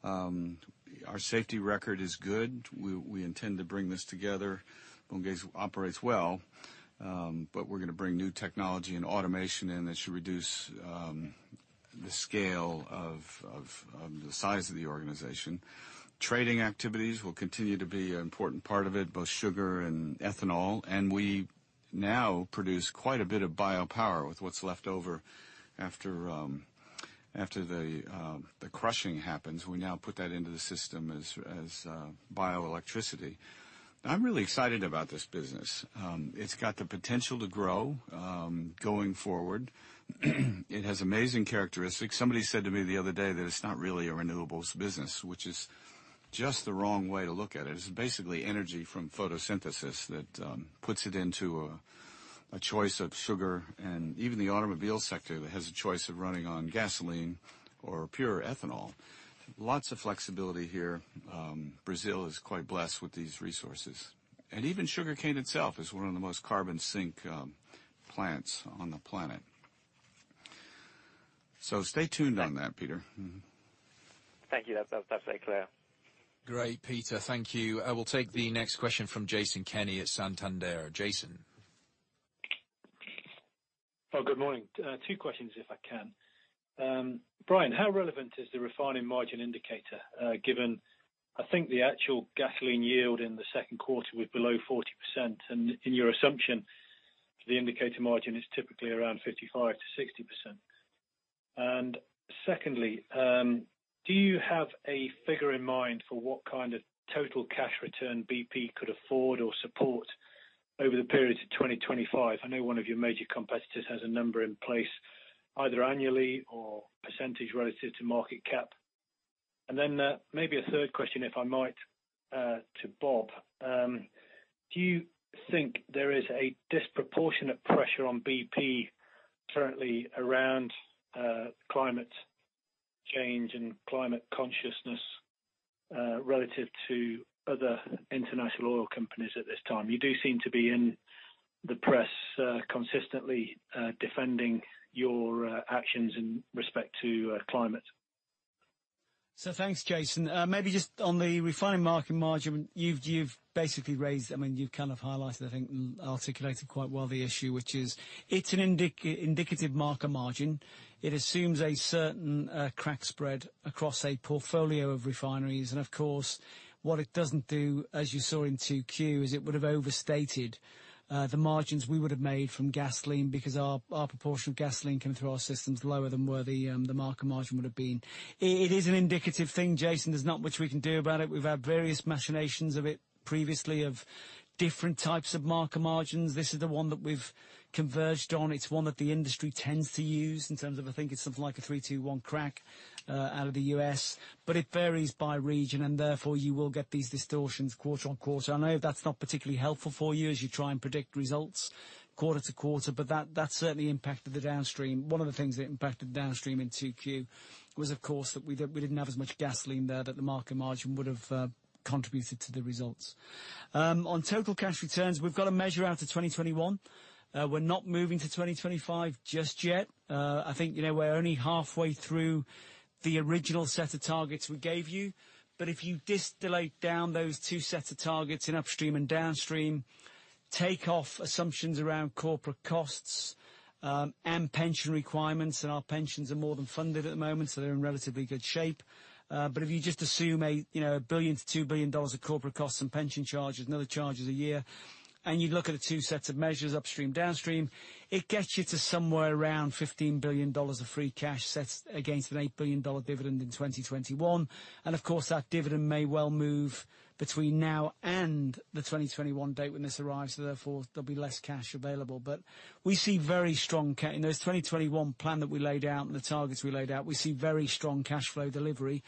Our safety record is good. We intend to bring this together. Bunge operates well. We're going to bring new technology and automation in that should reduce the scale of the size of the organization. Trading activities will continue to be an important part of it, both sugar and ethanol. We now produce quite a bit of biopower with what's left over after the crushing happens. We now put that into the system as bioelectricity. I'm really excited about this business. It's got the potential to grow going forward. It has amazing characteristics. Somebody said to me the other day that it's not really a renewables business, which is just the wrong way to look at it. It's basically energy from photosynthesis that puts it into a choice of sugar and even the automobile sector that has a choice of running on gasoline or pure ethanol. Lots of flexibility here. Brazil is quite blessed with these resources, and even sugarcane itself is one of the most carbon sink plants on the planet. Stay tuned on that, Peter. Mm-hmm. Thank you. That's very clear. Great, Peter. Thank you. I will take the next question from Jason Kenney at Santander. Jason. Good morning. Two questions, if I can. Brian, how relevant is the refining margin indicator, given I think the actual gasoline yield in the second quarter was below 40% and in your assumption, the indicator margin is typically around 55%-60%? Secondly, do you have a figure in mind for what kind of total cash return BP could afford or support over the period to 2025? I know one of your major competitors has a number in place, either annually or % relative to market cap. Maybe a third question if I might, to Bob. Do you think there is a disproportionate pressure on BP currently around climate change in climate consciousness relative to other international oil companies at this time? You do seem to be in the press consistently defending your actions in respect to climate. Thanks, Jason. Maybe just on the refining market margin, you've basically raised, you've kind of highlighted, I think, and articulated quite well the issue, which is, it's an indicative marker margin. Of course, what it doesn't do, as you saw in 2Q, is it would have overstated the margins we would have made from gasoline because our proportion of gasoline coming through our system's lower than where the marker margin would have been. It is an indicative thing, Jason. There's not much we can do about it. We've had various machinations of it previously of different types of marker margins. This is the one that we've converged on. It's one that the industry tends to use in terms of, I think it's something like a 3-2-1 crack out of the U.S. It varies by region, and therefore you will get these distortions quarter on quarter. I know that's not particularly helpful for you as you try and predict results quarter to quarter, but that certainly impacted the Downstream. One of the things that impacted Downstream in 2Q was, of course, that we didn't have as much gasoline there that the market margin would have contributed to the results. On total cash returns, we've got to measure out to 2021. We're not moving to 2025 just yet. I think we're only halfway through the original set of targets we gave you. If you distill down those two sets of targets in Upstream and Downstream, take off assumptions around corporate costs, and pension requirements, and our pensions are more than funded at the moment, so they're in relatively good shape. If you just assume a $1 billion-$2 billion of corporate costs and pension charges and other charges a year, and you look at the two sets of measures, upstream, downstream, it gets you to somewhere around $15 billion of free cash set against an $8 billion dividend in 2021. Of course, that dividend may well move between now and the 2021 date when this arrives. Therefore, there'll be less cash available. We see very strong in this 2021 plan that we laid out and the targets we laid out, we see very strong cash flow delivery.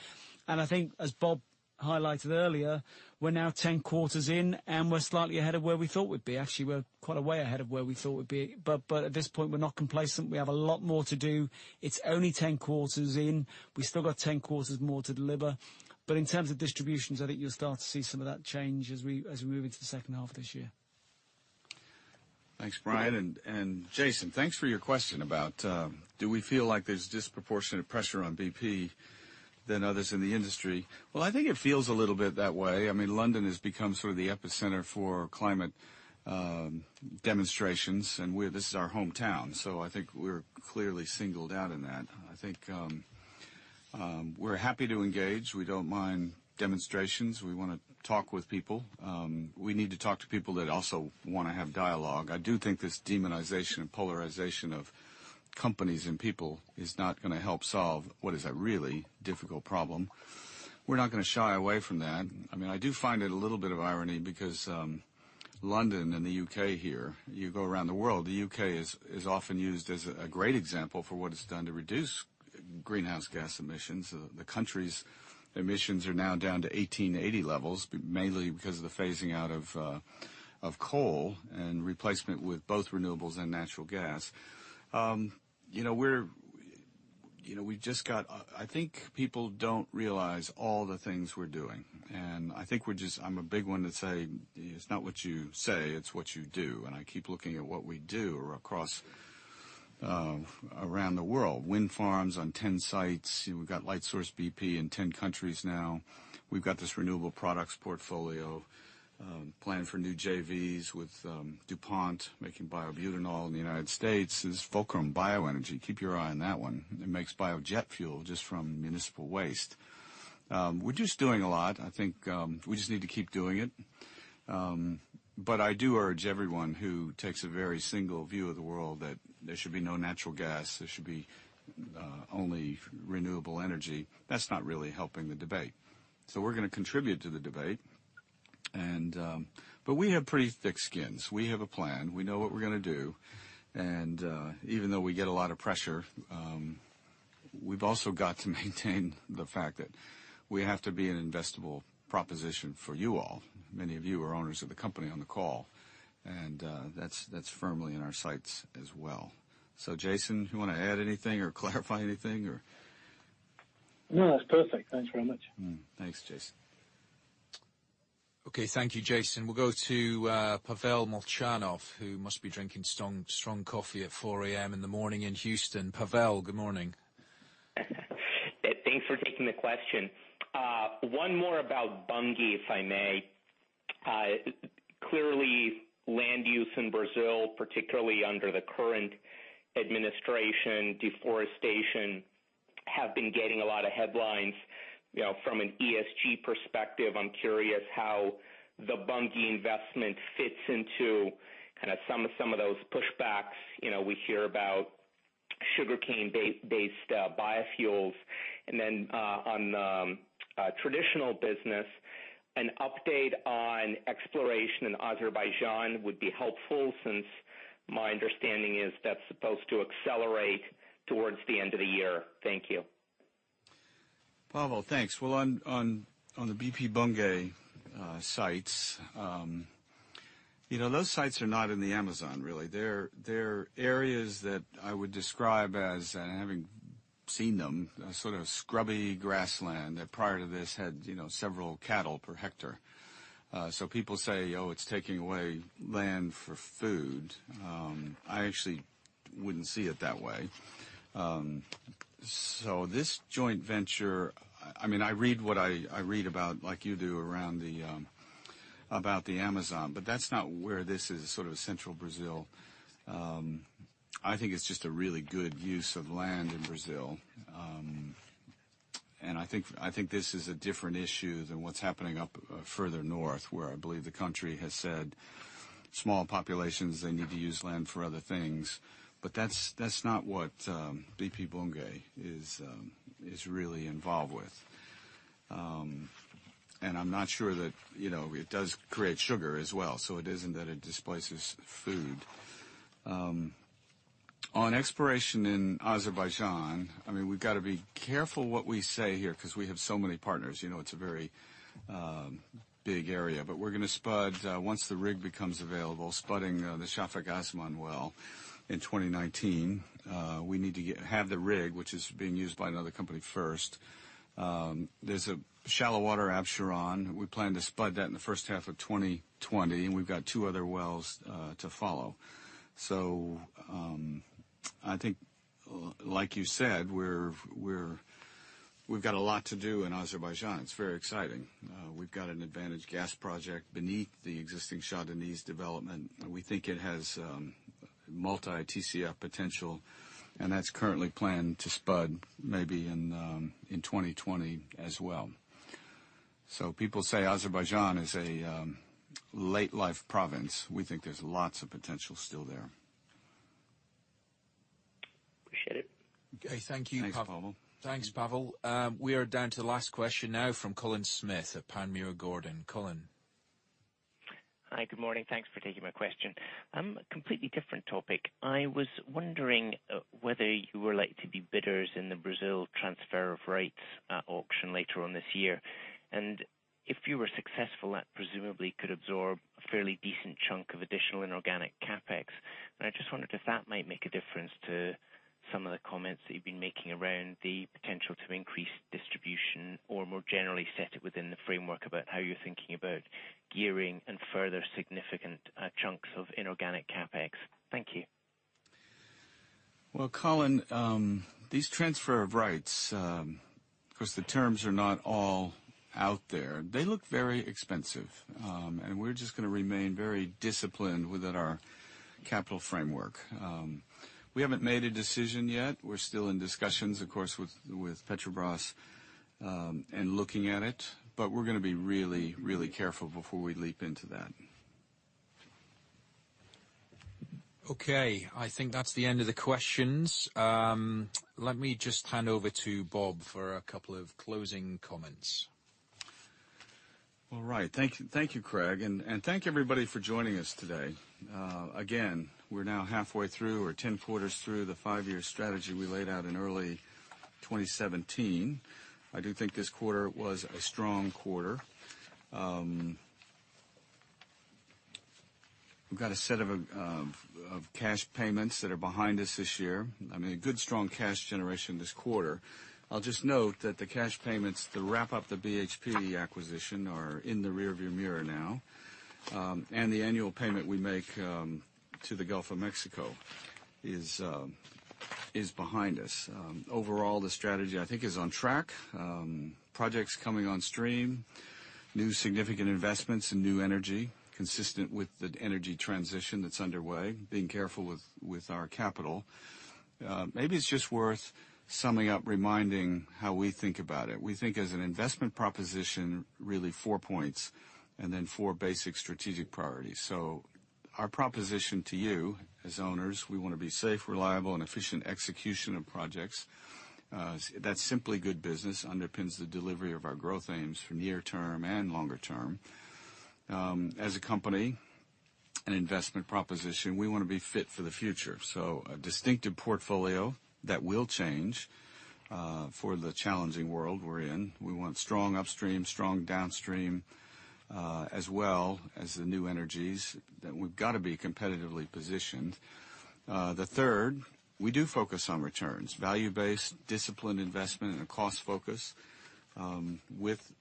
I think as Bob highlighted earlier, we're now 10 quarters in, and we're slightly ahead of where we thought we'd be. Actually, we're quite a way ahead of where we thought we'd be. At this point, we're not complacent. We have a lot more to do. It's only 10 quarters in. We still got 10 quarters more to deliver. In terms of distributions, I think you'll start to see some of that change as we move into the second half of this year. Thanks, Brian, and Jason, thanks for your question about do we feel like there's disproportionate pressure on BP than others in the industry. Well, I think it feels a little bit that way. London has become sort of the epicenter for climate demonstrations, and this is our hometown, so I think we're clearly singled out in that. I think we're happy to engage. We don't mind demonstrations. We want to talk with people. We need to talk to people that also want to have dialogue. I do think this demonization and polarization of companies and people is not going to help solve what is a really difficult problem. We're not going to shy away from that. I do find it a little bit of irony because London and the U.K. here, you go around the world, the U.K. is often used as a great example for what it's done to reduce greenhouse gas emissions. The country's emissions are now down to 1880 levels, mainly because of the phasing out of coal and replacement with both renewables and natural gas. I think people don't realize all the things we're doing. I think I'm a big one to say, it's not what you say, it's what you do. I keep looking at what we do across around the world. Wind farms on 10 sites. We've got Lightsource BP in 10 countries now. We've got this renewable products portfolio, planning for new JVs with DuPont, making biobutanol in the United States. There's Fulcrum BioEnergy. Keep your eye on that one. It makes biojet fuel just from municipal waste. We're just doing a lot. I think we just need to keep doing it. I do urge everyone who takes a very single view of the world that there should be no natural gas, there should be only renewable energy. That's not really helping the debate. We're going to contribute to the debate. We have pretty thick skins. We have a plan. We know what we're going to do. Even though we get a lot of pressure, we've also got to maintain the fact that we have to be an investable proposition for you all. Many of you are owners of the company on the call, that's firmly in our sights as well. Jason, you want to add anything or clarify anything or? No, that's perfect. Thanks very much. Thanks, Jason. Okay, thank you, Jason. We'll go to Pavel Molchanov, who must be drinking strong coffee at 4:00 A.M. in the morning in Houston. Pavel, good morning. Thanks for taking the question. One more about Bunge, if I may. Clearly, land use in Brazil, particularly under the current administration, deforestation, have been getting a lot of headlines. From an ESG perspective, I'm curious how the Bunge investment fits into kind of some of those pushbacks. We hear about sugarcane-based biofuels. Then on traditional business, an update on exploration in Azerbaijan would be helpful since my understanding is that's supposed to accelerate towards the end of the year. Thank you. Pavel, thanks. On the BP Bunge sites, those sites are not in the Amazon, really. They're areas that I would describe as, having seen them, a sort of scrubby grassland that prior to this had several cattle per hectare. People say, "Oh, it's taking away land for food." I actually wouldn't see it that way. This joint venture, I read about, like you do, around the Amazon, but that's not where this is, sort of central Brazil. I think it's just a really good use of land in Brazil. I think this is a different issue than what's happening up further north, where I believe the country has said small populations, they need to use land for other things. That's not what BP Bunge is really involved with. I'm not sure that it does create sugar as well. It isn't that it displaces food. On exploration in Azerbaijan, we've got to be careful what we say here because we have so many partners. It's a very big area. We're going to spud, once the rig becomes available, spudding the Shafag-Asiman well in 2019. We need to have the rig, which is being used by another company first. There's a shallow water Absheron. We plan to spud that in the first half of 2020, and we've got two other wells to follow. I think like you said, we've got a lot to do in Azerbaijan. It's very exciting. We've got an advantaged gas project beneath the existing Shah Deniz development. We think it has multi-TCF potential, and that's currently planned to spud maybe in 2020 as well. People say Azerbaijan is a late life province. We think there's lots of potential still there. Appreciate it. Okay. Thank you, Pavel. Thanks, Pavel. Thanks, Pavel. We are down to the last question now from Colin Smith at Panmure Gordon. Colin. Hi, good morning. Thanks for taking my question. Completely different topic. I was wondering whether you were likely to be bidders in the Brazil transfer of rights auction later on this year. If you were successful, that presumably could absorb a fairly decent chunk of additional inorganic CapEx. I just wondered if that might make a difference to some of the comments that you've been making around the potential to increase distribution or more generally set it within the framework about how you're thinking about gearing and further significant chunks of inorganic CapEx. Thank you. Well, Colin, these transfer of rights, because the terms are not all out there. They look very expensive. We're just going to remain very disciplined within our capital framework. We haven't made a decision yet. We're still in discussions, of course, with Petrobras, and looking at it. We're going to be really, really careful before we leap into that. Okay. I think that's the end of the questions. Let me just hand over to Bob for a couple of closing comments. All right. Thank you, Craig, thank you everybody for joining us today. Again, we're now halfway through or 10 quarters through the five-year strategy we laid out in early 2017. I do think this quarter was a strong quarter. We've got a set of cash payments that are behind us this year. A good strong cash generation this quarter. I'll just note that the cash payments to wrap up the BHP acquisition are in the rearview mirror now. The annual payment we make to the Gulf of Mexico is behind us. Overall, the strategy I think is on track. Projects coming on stream, new significant investments and new energy consistent with the energy transition that's underway, being careful with our capital. Maybe it's just worth summing up, reminding how we think about it. We think as an investment proposition, really four points, and then four basic strategic priorities. Our proposition to you, as owners, we want to be safe, reliable, and efficient execution of projects. That's simply good business, underpins the delivery of our growth aims for near term and longer term. As a company, an investment proposition, we want to be fit for the future. A distinctive portfolio that will change for the challenging world we're in. We want strong upstream, strong downstream, as well as the new energies that we've got to be competitively positioned. The third, we do focus on returns. Value-based, disciplined investment, and a cost focus with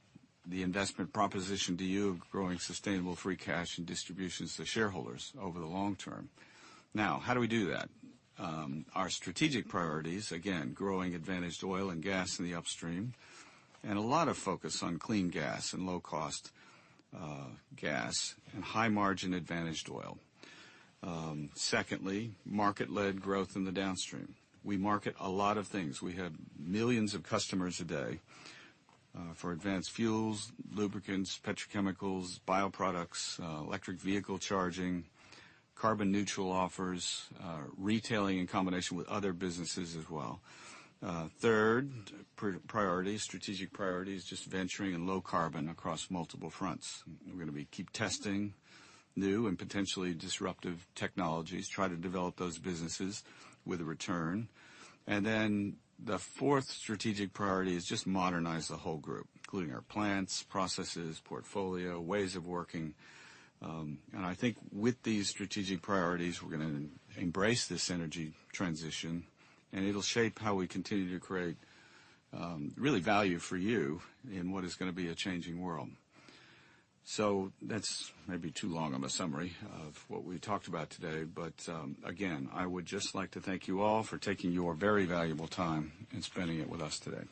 the investment proposition to you of growing sustainable free cash and distributions to shareholders over the long term. Now, how do we do that? Our strategic priorities, again, growing advantaged oil and gas in the upstream, and a lot of focus on clean gas and low-cost gas and high margin advantaged oil. Secondly, market-led growth in the downstream. We market a lot of things. We have millions of customers a day for advanced fuels, lubricants, petrochemicals, bioproducts, electric vehicle charging, carbon neutral offers, retailing in combination with other businesses as well. Third priority, strategic priority, is just venturing in low carbon across multiple fronts. We're going to keep testing new and potentially disruptive technologies, try to develop those businesses with a return. Then the fourth strategic priority is just modernize the whole group, including our plants, processes, portfolio, ways of working. I think with these strategic priorities, we're going to embrace this energy transition, and it'll shape how we continue to create really value for you in what is going to be a changing world. That's maybe too long of a summary of what we talked about today. Again, I would just like to thank you all for taking your very valuable time and spending it with us today.